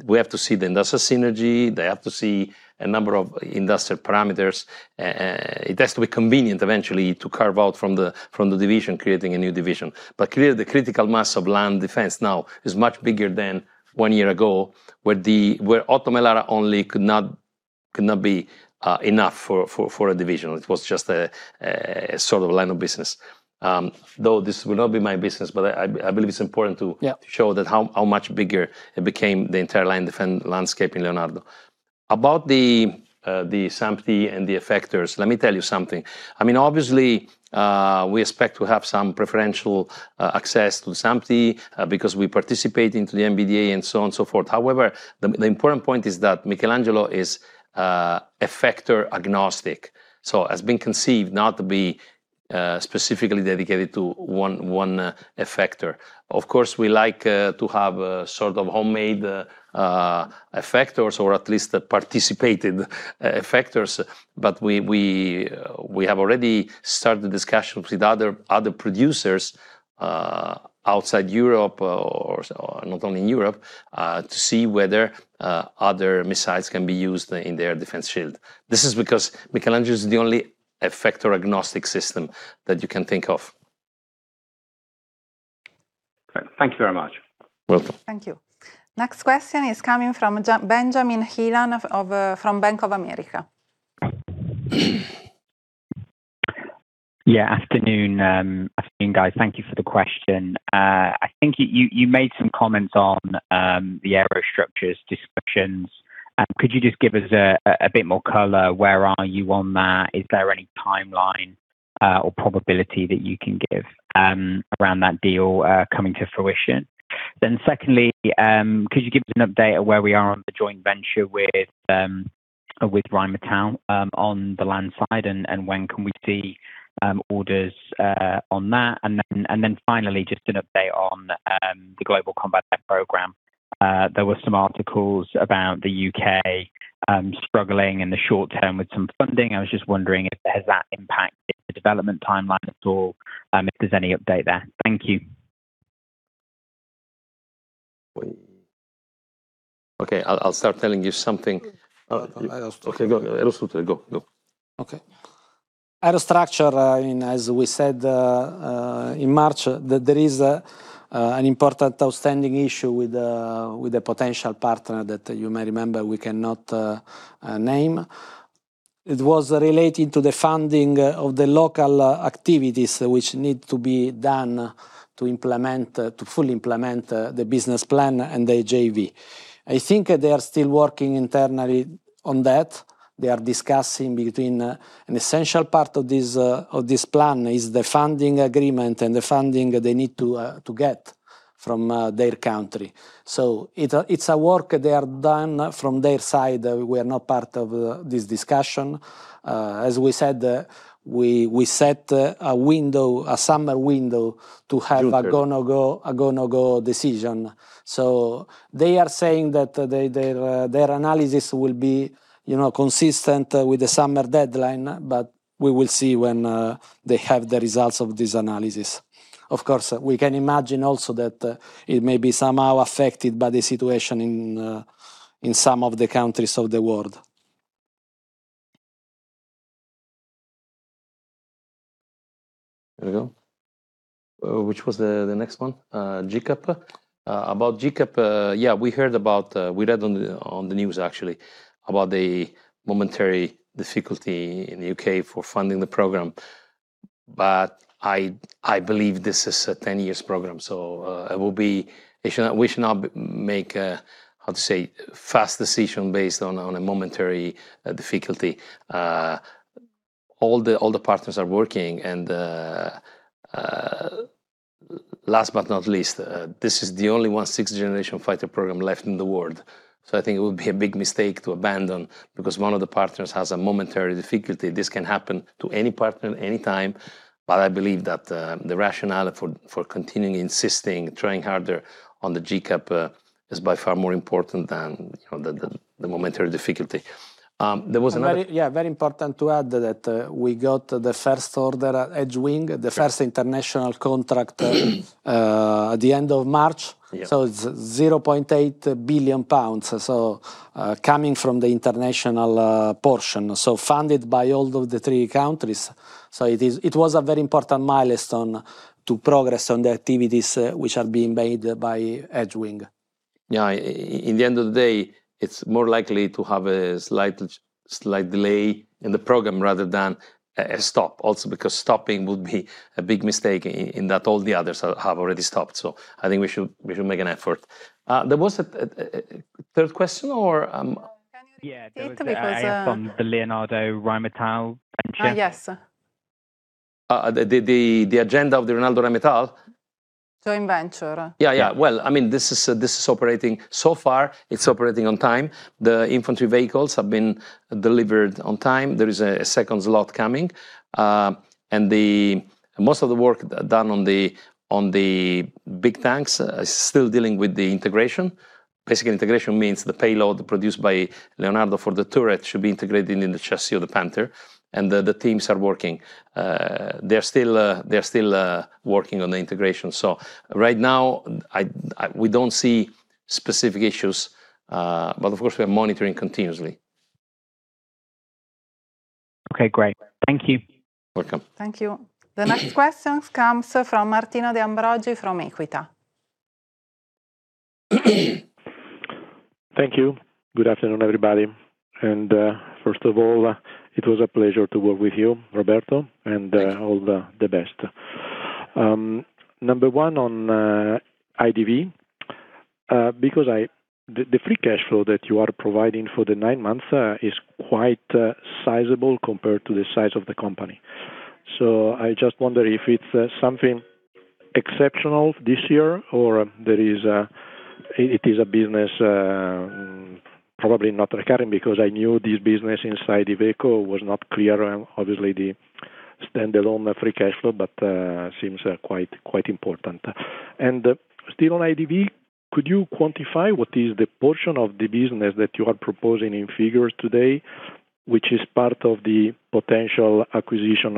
We have to see the industrial synergy. They have to see a number of industrial parameters. It has to be convenient eventually to carve out from the division, creating a new division. Clearly, the critical mass of land defense now is much bigger than one year ago, where the OTO Melara only could not be enough for a division. It was just a sort of line of business. Though this will not be my business, but I believe it's important. Yeah show that how much bigger it became, the entire land defense landscape in Leonardo. About the SAMP/T and the effectors, let me tell you something. I mean, obviously, we expect to have some preferential access to SAMP/T because we participate into the MBDA and so on and so forth. However, the important point is that Michelangelo is effector agnostic. has been conceived not to be specifically dedicated to one effector. Of course, we like to have a sort of homemade effectors or at least participated effectors. we have already started discussions with other producers outside Europe or not only in Europe to see whether other missiles can be used in their defense shield. This is because Michelangelo is the only effector agnostic system that you can think of. Okay. Thank you very much. Welcome. Thank you. Next question is coming from Benjamin Heelan from Bank of America. Afternoon, guys. Thank you for the question. I think you made some comments on the Aerostructures discussions. Could you just give us a bit more color? Where are you on that? Is there any timeline or probability that you can give around that deal coming to fruition? Secondly, could you give us an update of where we are on the joint venture with Rheinmetall on the land side, and when can we see orders on that? Finally, just an update on the Global Combat Air Programme. There were some articles about the U.K. struggling in the short term with some funding. I was just wondering if has that impacted the development timeline at all, if there's any update there. Thank you. Wait. Okay. I'll start telling you something. Aerostructures. Okay. Go. Aerostructures. Go, go. Okay. Aerostructures, I mean, as we said in March, there is an important outstanding issue with the potential partner that you may remember we cannot name. It was related to the funding of the local activities which need to be done to implement, to fully implement the business plan and the JV. I think they are still working internally on that. They are discussing, an essential part of this plan is the funding agreement and the funding they need to get from their country. It's a work they are done from their side. We are not part of this discussion. As we said, we set a window, a summer window to have- June 30th a go, no-go decision. They are saying that their analysis will be, you know, consistent with the summer deadline. We will see when they have the results of this analysis. Of course, we can imagine also that it may be somehow affected by the situation in some of the countries of the world. There we go. Which was the next one? GCAP? About GCAP, yeah, we heard about, we read on the news actually, about the momentary difficulty in the U.K. for funding the program. I believe this is a 10-year program, so it will be. We should not make a, how to say, fast decision based on a momentary difficulty. All the partners are working and, last but not least, this is the only one sixth-generation fighter program left in the world. I think it would be a big mistake to abandon because one of the partners has a momentary difficulty. This can happen to any partner any timeI believe that the rationale for continuing insisting, trying harder on the GCAP, is by far more important than, you know, the momentary difficulty. Very, yeah, very important to add that, we got the first order at Edgewing, the first international contract, at the end of March. Yeah. It's 0.8 billion pounds. Coming from the international portion, funded by all of the three countries. It was a very important milestone to progress on the activities, which are being made by Edgewing. Yeah, in the end of the day, it's more likely to have a slight delay in the program rather than a stop. Because stopping would be a big mistake in that all the others have already stopped. I think we should make an effort. There was a third question. Can you repeat it? Yeah, there was. I asked on the Leonardo Rheinmetall venture. Yes. The agenda of the Leonardo Rheinmetall? Joint venture. Yeah, yeah. Well, I mean, this is operating. So far, it's operating on time. The infantry vehicles have been delivered on time. There is a second slot coming. Most of the work done on the big tanks is still dealing with the integration. Basically, integration means the payload produced by Leonardo for the turret should be integrated in the chassis of the Panther, and the teams are working. They're still working on the integration. Right now we don't see specific issues. Of course we are monitoring continuously. Okay, great. Thank you. Welcome. Thank you. The next question comes from Martino De Ambroggi from Equita. Thank you. Good afternoon, everybody. First of all, it was a pleasure to work with you, Roberto, and all the best. Number one on IDV, because the free cash flow that you are providing for the nine months is quite sizable compared to the size of the company. I just wonder if it's something exceptional this year or it is a business, probably not recurring because I knew this business inside IDV was not clear. Obviously, the standalone free cash flow, seems quite important. Still on IDV, could you quantify what is the portion of the business that you are proposing in figures today, which is part of the potential acquisition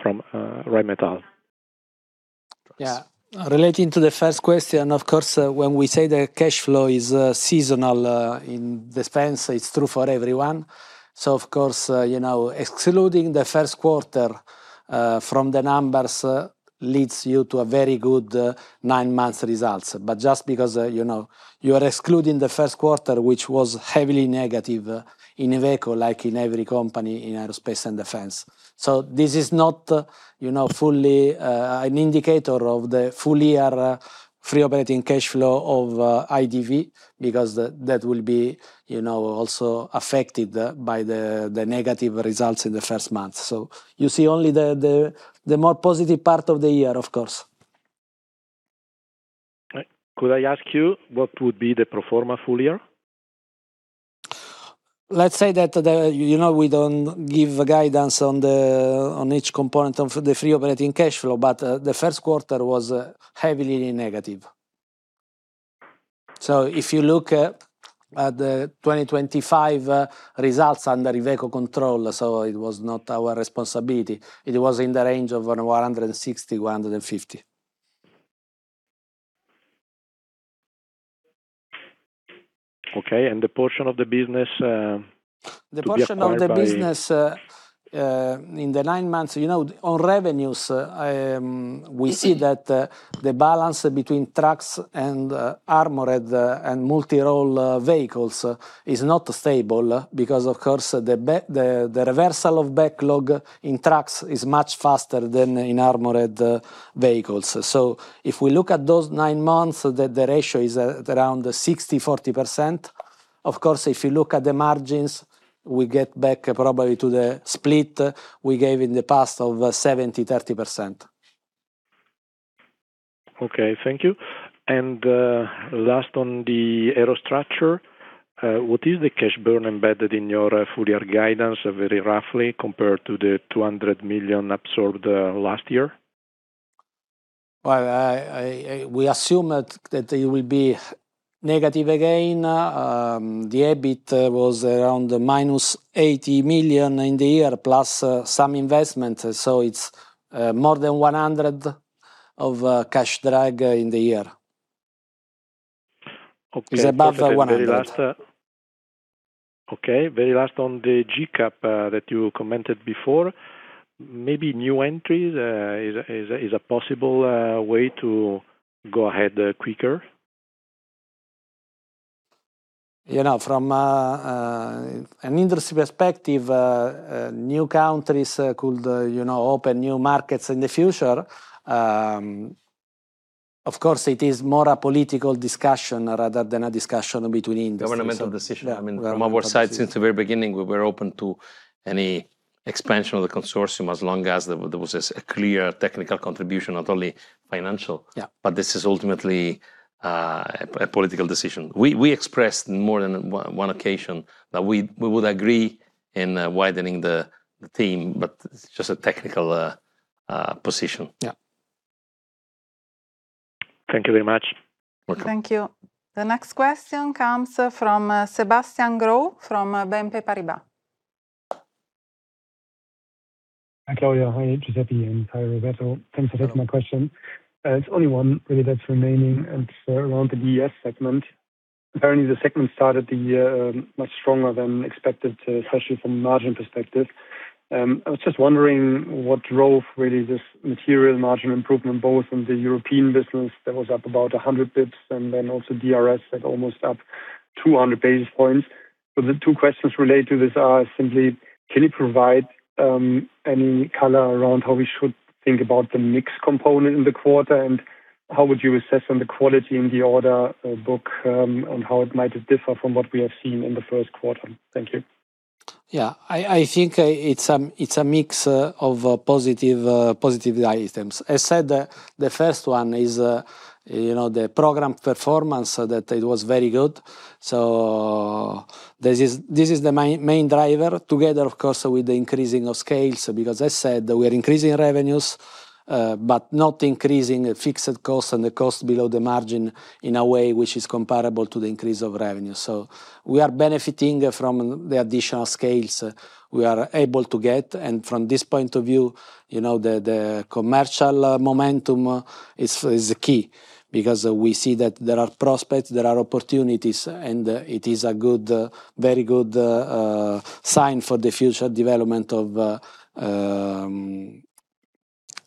from Rheinmetall? Yeah. Relating to the first question, of course, when we say the cash flow is seasonal in defense, it's true for everyone. Of course, you know, excluding the first quarter from the numbers leads you to a very good nine-month results. But just because, you know, you are excluding the first quarter, which was heavily negative in Iveco like in every company in aerospace and defense. This is not, you know, fully an indicator of the full year free operating cash flow of IDV because that will be, you know, also affected by the negative results in the first month. You see only the more positive part of the year, of course. Could I ask you what would be the pro forma full year? You know we don't give guidance on each component of the free operating cash flow, but the first quarter was heavily negative. If you look at the 2025 results under the Iveco control, it was not our responsibility. It was in the range of 160 million, 150 million. Okay. The portion of the business, to be acquired by- The portion of the business, in the nine months, you know, on revenues, we see that the balance between trucks and armored and multi-role vehicles is not stable because of course the reversal of backlog in trucks is much faster than in armored vehicles. If we look at those nine months, the ratio is around 60%/40%. Of course, if you look at the margins, we get back probably to the split we gave in the past of 70%/30%. Okay, thank you. Last on the Aerostructures, what is the cash burn embedded in your full-year guidance very roughly compared to the 200 million absorbed last year? We assume that it will be negative again. The EBIT was around -80 million in the year, plus some investment. It's more than 100 million of cash drag in the year. Okay. It's above the 100 million. Very last. Okay, very last on the GCAP, that you commented before. Maybe new entries, is a possible way to go ahead quicker? You know, from an industry perspective, new countries could, you know, open new markets in the future. Of course, it is more a political discussion rather than a discussion between industries. Governmental decision. Yeah, governmental decision. I mean, from our side, since the very beginning, we were open to any expansion of the consortium, as long as there was a clear technical contribution, not only financial. Yeah. This is ultimately, a political decision. We expressed in more than one occasion that we would agree in widening the team, but it's just a technical position. Yeah. Thank you very much. Welcome. Thank you. The next question comes from Sebastian Growe from BNP Paribas. Hi, Claudia. Hi, Giuseppe. Hi, Roberto. Thanks for taking my question. It's only one really that's remaining, and it's around the DRS segment. Apparently, the segment started the year much stronger than expected, especially from a margin perspective. I was just wondering what drove really this material margin improvement, both in the European business that was up about 100 basis points, and then also DRS at almost up 200 basis points. The two questions related to this are simply, can you provide any color around how we should think about the mix component in the quarter? How would you assess on the quality in the order book on how it might differ from what we have seen in the first quarter? Thank you. Yeah. I think it's a mix of positive items. I said the first one is, you know, the program performance, so that it was very good. This is the main driver together, of course, with the increasing of scale. Because I said we are increasing revenues, but not increasing fixed costs and the cost below the margin in a way which is comparable to the increase of revenue. We are benefiting from the additional scales we are able to get. From this point of view, you know, the commercial momentum is key because we see that there are prospects, there are opportunities, and it is a good, very good sign for the future development of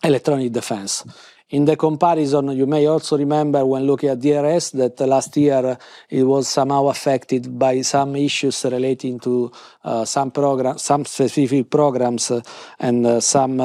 electronic defense. In the comparison, you may also remember when looking at DRS that last year it was somehow affected by some issues relating to some specific programs and some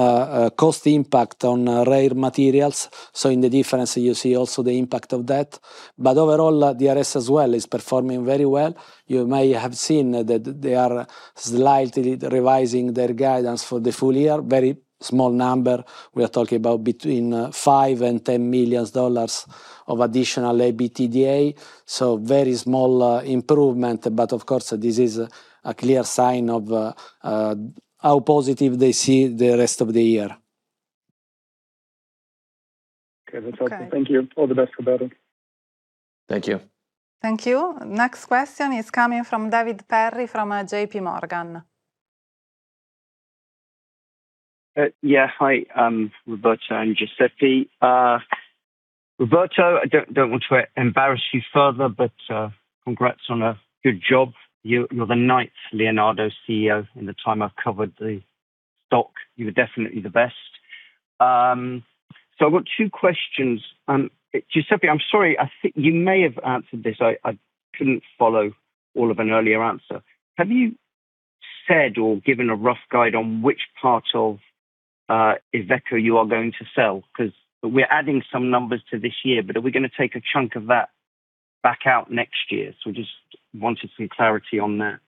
cost impact on rare materials. In the difference, you see also the impact of that. Overall, DRS as well is performing very well. You may have seen that they are slightly revising their guidance for the full year. Very small number. We are talking about between $5 million and $10 million of additional EBITDA, a very small improvement, but of course this is a clear sign of how positive they see the rest of the year. Okay. That's helpful. Okay. Thank you. All the best, Roberto. Thank you. Thank you. Next question is coming from David Perry from J.P. Morgan. Hi, Roberto and Giuseppe. Roberto, I don't want to embarrass you further, congrats on a good job. You're the ninth Leonardo CEO in the time I've covered the stock. You are definitely the best. I've got two questions. Giuseppe, I'm sorry, I think you may have answered this, I couldn't follow all of an earlier answer. Have you said or given a rough guide on which part of Iveco you are going to sell? Cause we're adding some numbers to this year, are we gonna take a chunk of that back out next year? We just wanted some clarity on that.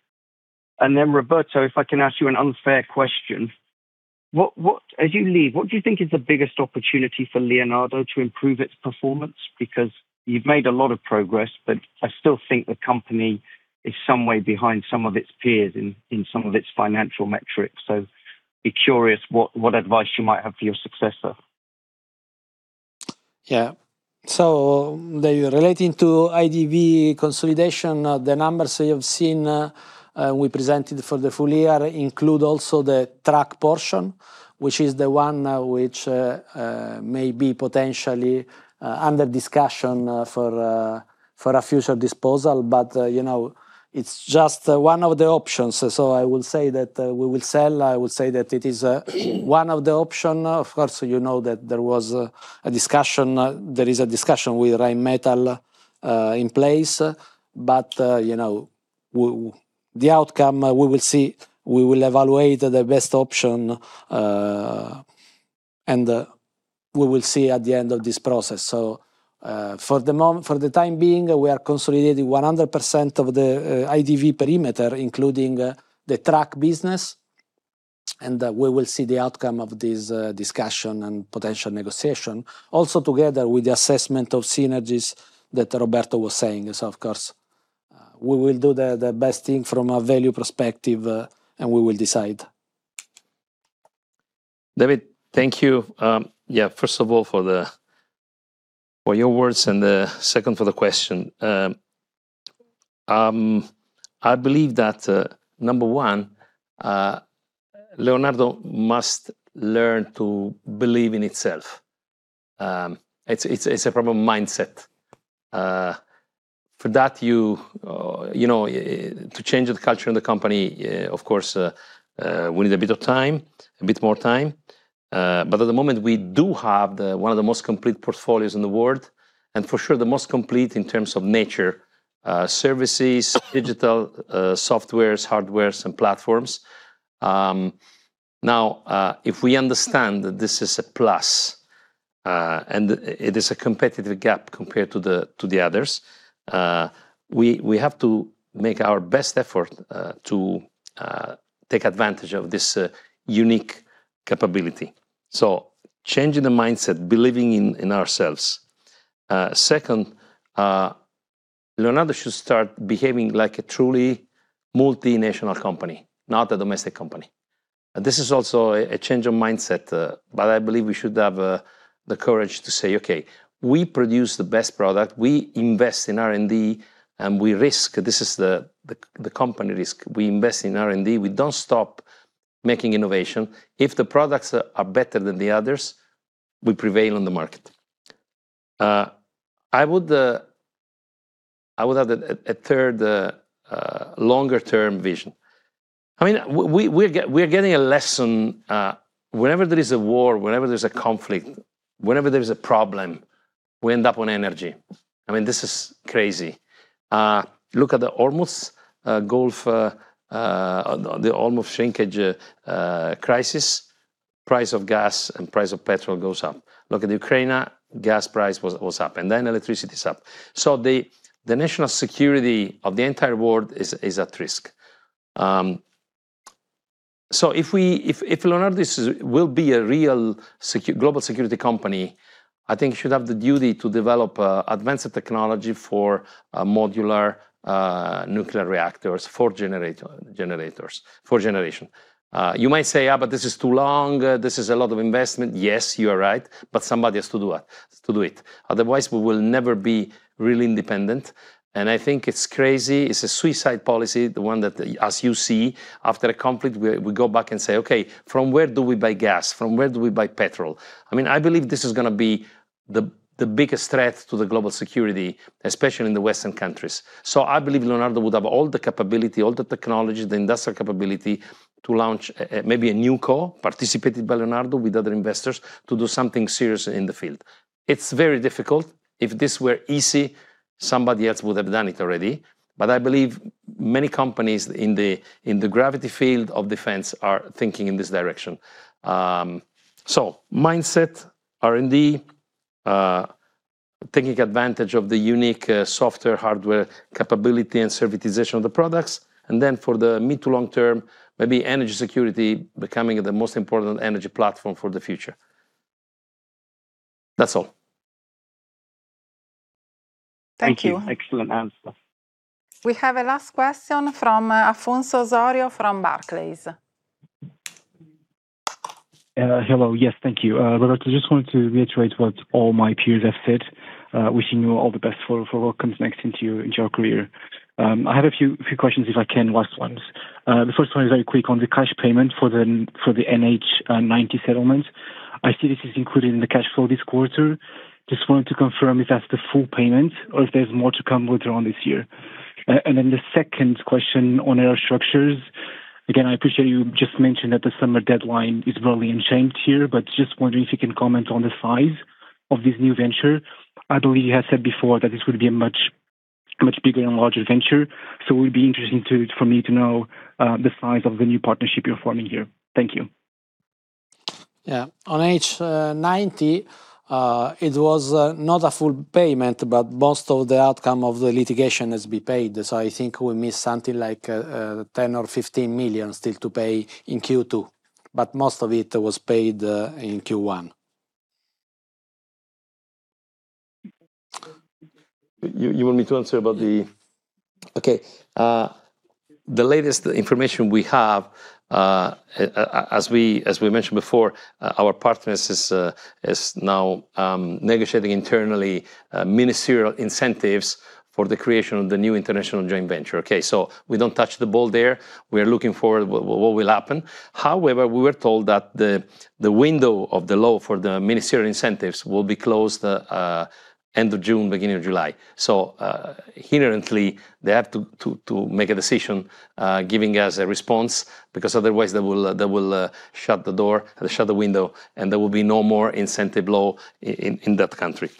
Roberto, if I can ask you an unfair question, what as you leave, what do you think is the biggest opportunity for Leonardo to improve its performance? You've made a lot of progress, but I still think the company is some way behind some of its peers in some of its financial metrics. Be curious what advice you might have for your successor. Yeah. The relating to IDV consolidation, the numbers you have seen, we presented for the full year include also the truck portion, which is the one which may be potentially under discussion for a future disposal, but, you know, it's just one of the options. I will say that we will sell. I will say that it is one of the option. Of course, you know that there was a discussion, there is a discussion with Rheinmetall in place, but, you know, the outcome, we will see, we will evaluate the best option, and we will see at the end of this process. For the time being, we are consolidating 100% of the IDV perimeter, including the truck business, and we will see the outcome of this discussion and potential negotiation. Also together with the assessment of synergies that Roberto was saying. Of course, we will do the best thing from a value perspective, and we will decide. David, thank you, yeah, first of all for your words, and second for the question. I believe that number one, Leonardo must learn to believe in itself. It's a problem mindset. For that you know, to change the culture of the company, of course, we need a bit of time, a bit more time. At the moment, we do have one of the most complete portfolios in the world, and for sure the most complete in terms of nature, services, digital, softwares, hardwares, and platforms. Now, if we understand that this is a plus, and it is a competitive gap compared to the others, we have to make our best effort to take advantage of this unique capability. Changing the mindset, believing in ourselves. Second, Leonardo should start behaving like a truly multinational company, not a domestic company. This is also a change of mindset, but I believe we should have the courage to say, "Okay, we produce the best product. We invest in R&D, and we risk." This is the company risk. We invest in R&D. We don't stop making innovation. If the products are better than the others, we prevail on the market. I would have a third longer term vision. I mean, we're getting a lesson whenever there is a war, whenever there's a conflict, whenever there is a problem, we end up on energy. I mean, this is crazy. Look at the Hormuz Gulf, the Hormuz [shrinkage] crisis, price of gas and price of petrol goes up. Look at the Ukraine, gas price was up, and then electricity is up. The national security of the entire world is at risk. If Leonardo will be a real global security company, I think it should have the duty to develop advanced technology for modular nuclear reactors for generators, for generation. You might say, "But this is too long. This is a lot of investment." Yes, you are right, somebody has to do it. Otherwise, we will never be really independent, and I think it's crazy. It's a suicide policy, the one that, as you see, after a conflict, we go back and say, "Okay, from where do we buy gas? From where do we buy petrol?" I mean, I believe this is gonna be the biggest threat to the global security, especially in the Western countries. I believe Leonardo would have all the capability, all the technology, the industrial capability to launch maybe a NewCo participated by Leonardo with other investors to do something serious in the field. It's very difficult. If this were easy, somebody else would have done it already. I believe many companies in the gravity field of defense are thinking in this direction. Mindset, R&D, taking advantage of the unique software, hardware capability and servitization of the products, for the mid to long term, maybe energy security becoming the most important energy platform for the future. That's all. Thank you. Excellent answer. We have a last question from Afonso Osorio from Barclays. Hello. Yes, thank you. Roberto, just wanted to reiterate what all my peers have said, wishing you all the best for what comes next into your career. I have a few questions if I can, last ones. The first one is very quick on the cash payment for the NH90 settlement. I see this is included in the cash flow this quarter. Just wanted to confirm if that's the full payment or if there's more to come later on this year. The second question on Aerostructures. Again, I appreciate you just mentioned that the summer deadline is broadly unchanged here, but just wondering if you can comment on the size of this new venture. I believe you had said before that this would be a much, much bigger and larger venture, so it would be interesting for me to know the size of the new partnership you're forming here. Thank you. Yeah. On NH90, it was not a full payment, but most of the outcome of the litigation has been paid. I think we miss something like 10 million or 15 million still to pay in Q2, but most of it was paid in Q1. The latest information we have, as we mentioned before, our partners is now negotiating internally ministerial incentives for the creation of the new international joint venture. Okay, we don't touch the ball there. We are looking forward what will happen. However, we were told that the window of the law for the ministerial incentives will be closed end of June, beginning of July. Inherently, they have to make a decision, giving us a response because otherwise they will shut the door, they'll shut the window, and there will be no more incentive law in that country.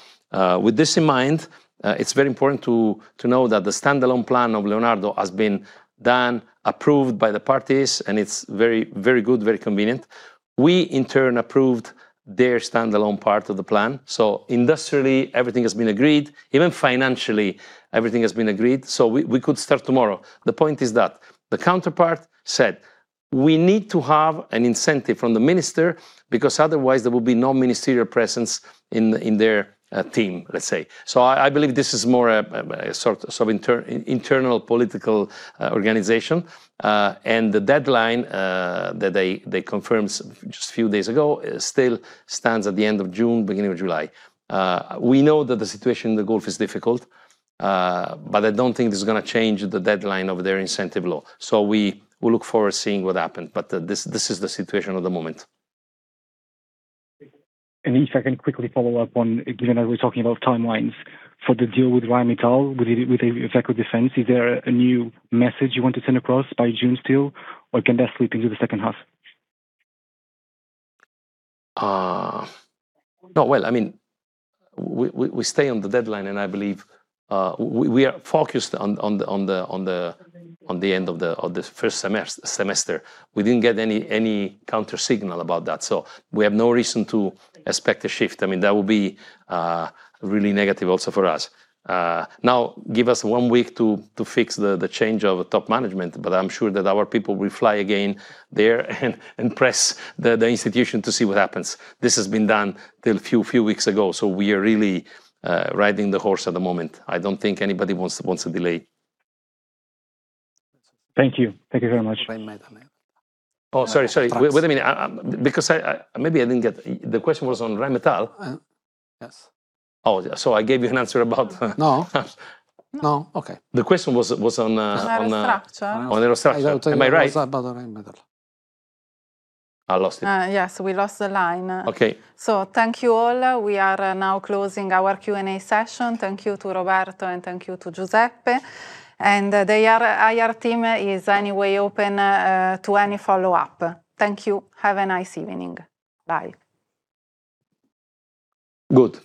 With this in mind, it's very important to know that the standalone plan of Leonardo has been done, approved by the parties, and it's very good, very convenient. We, in turn, approved their standalone part of the plan. Industrially, everything has been agreed. Even financially, everything has been agreed. We could start tomorrow. The point is that the counterpart said we need to have an incentive from the minister because otherwise there will be no ministerial presence in their team, let's say. I believe this is more a sort of internal political organization. The deadline that they confirmed just a few days ago still stands at the end of June, beginning of July. We know that the situation in the Gulf is difficult, but I don't think this is gonna change the deadline of their incentive law. We will look forward to seeing what happens, but this is the situation at the moment. If I can quickly follow up on, given that we're talking about timelines for the deal with Rheinmetall with OTO Melara, is there a new message you want to send across by June still, or can that slip into the second half? I mean, we stay on the deadline, and I believe we are focused on the end of the first semester. We didn't get any counter signal about that. We have no reason to expect a shift. I mean, that would be really negative also for us. Now give us one week to fix the change of top management. I'm sure that our people will fly again there and press the institution to see what happens. This has been done till few weeks ago. We are really riding the horse at the moment. I don't think anybody wants to delay. Thank you. Thank you very much. Rheinmetall. Sorry. Wait a minute. Maybe I didn't get. The question was on Rheinmetall? yes. I gave you an answer about. No. No. Okay. The question was on. On Aerostructures on Aerostructures, am I right? I thought it was about the Rheinmetall. I lost it. Yes, we lost the line. Okay. Thank you all. We are now closing our Q&A session. Thank you to Roberto, and thank you to Giuseppe. The IR team is any way open to any follow-up. Thank you. Have a nice evening. Bye.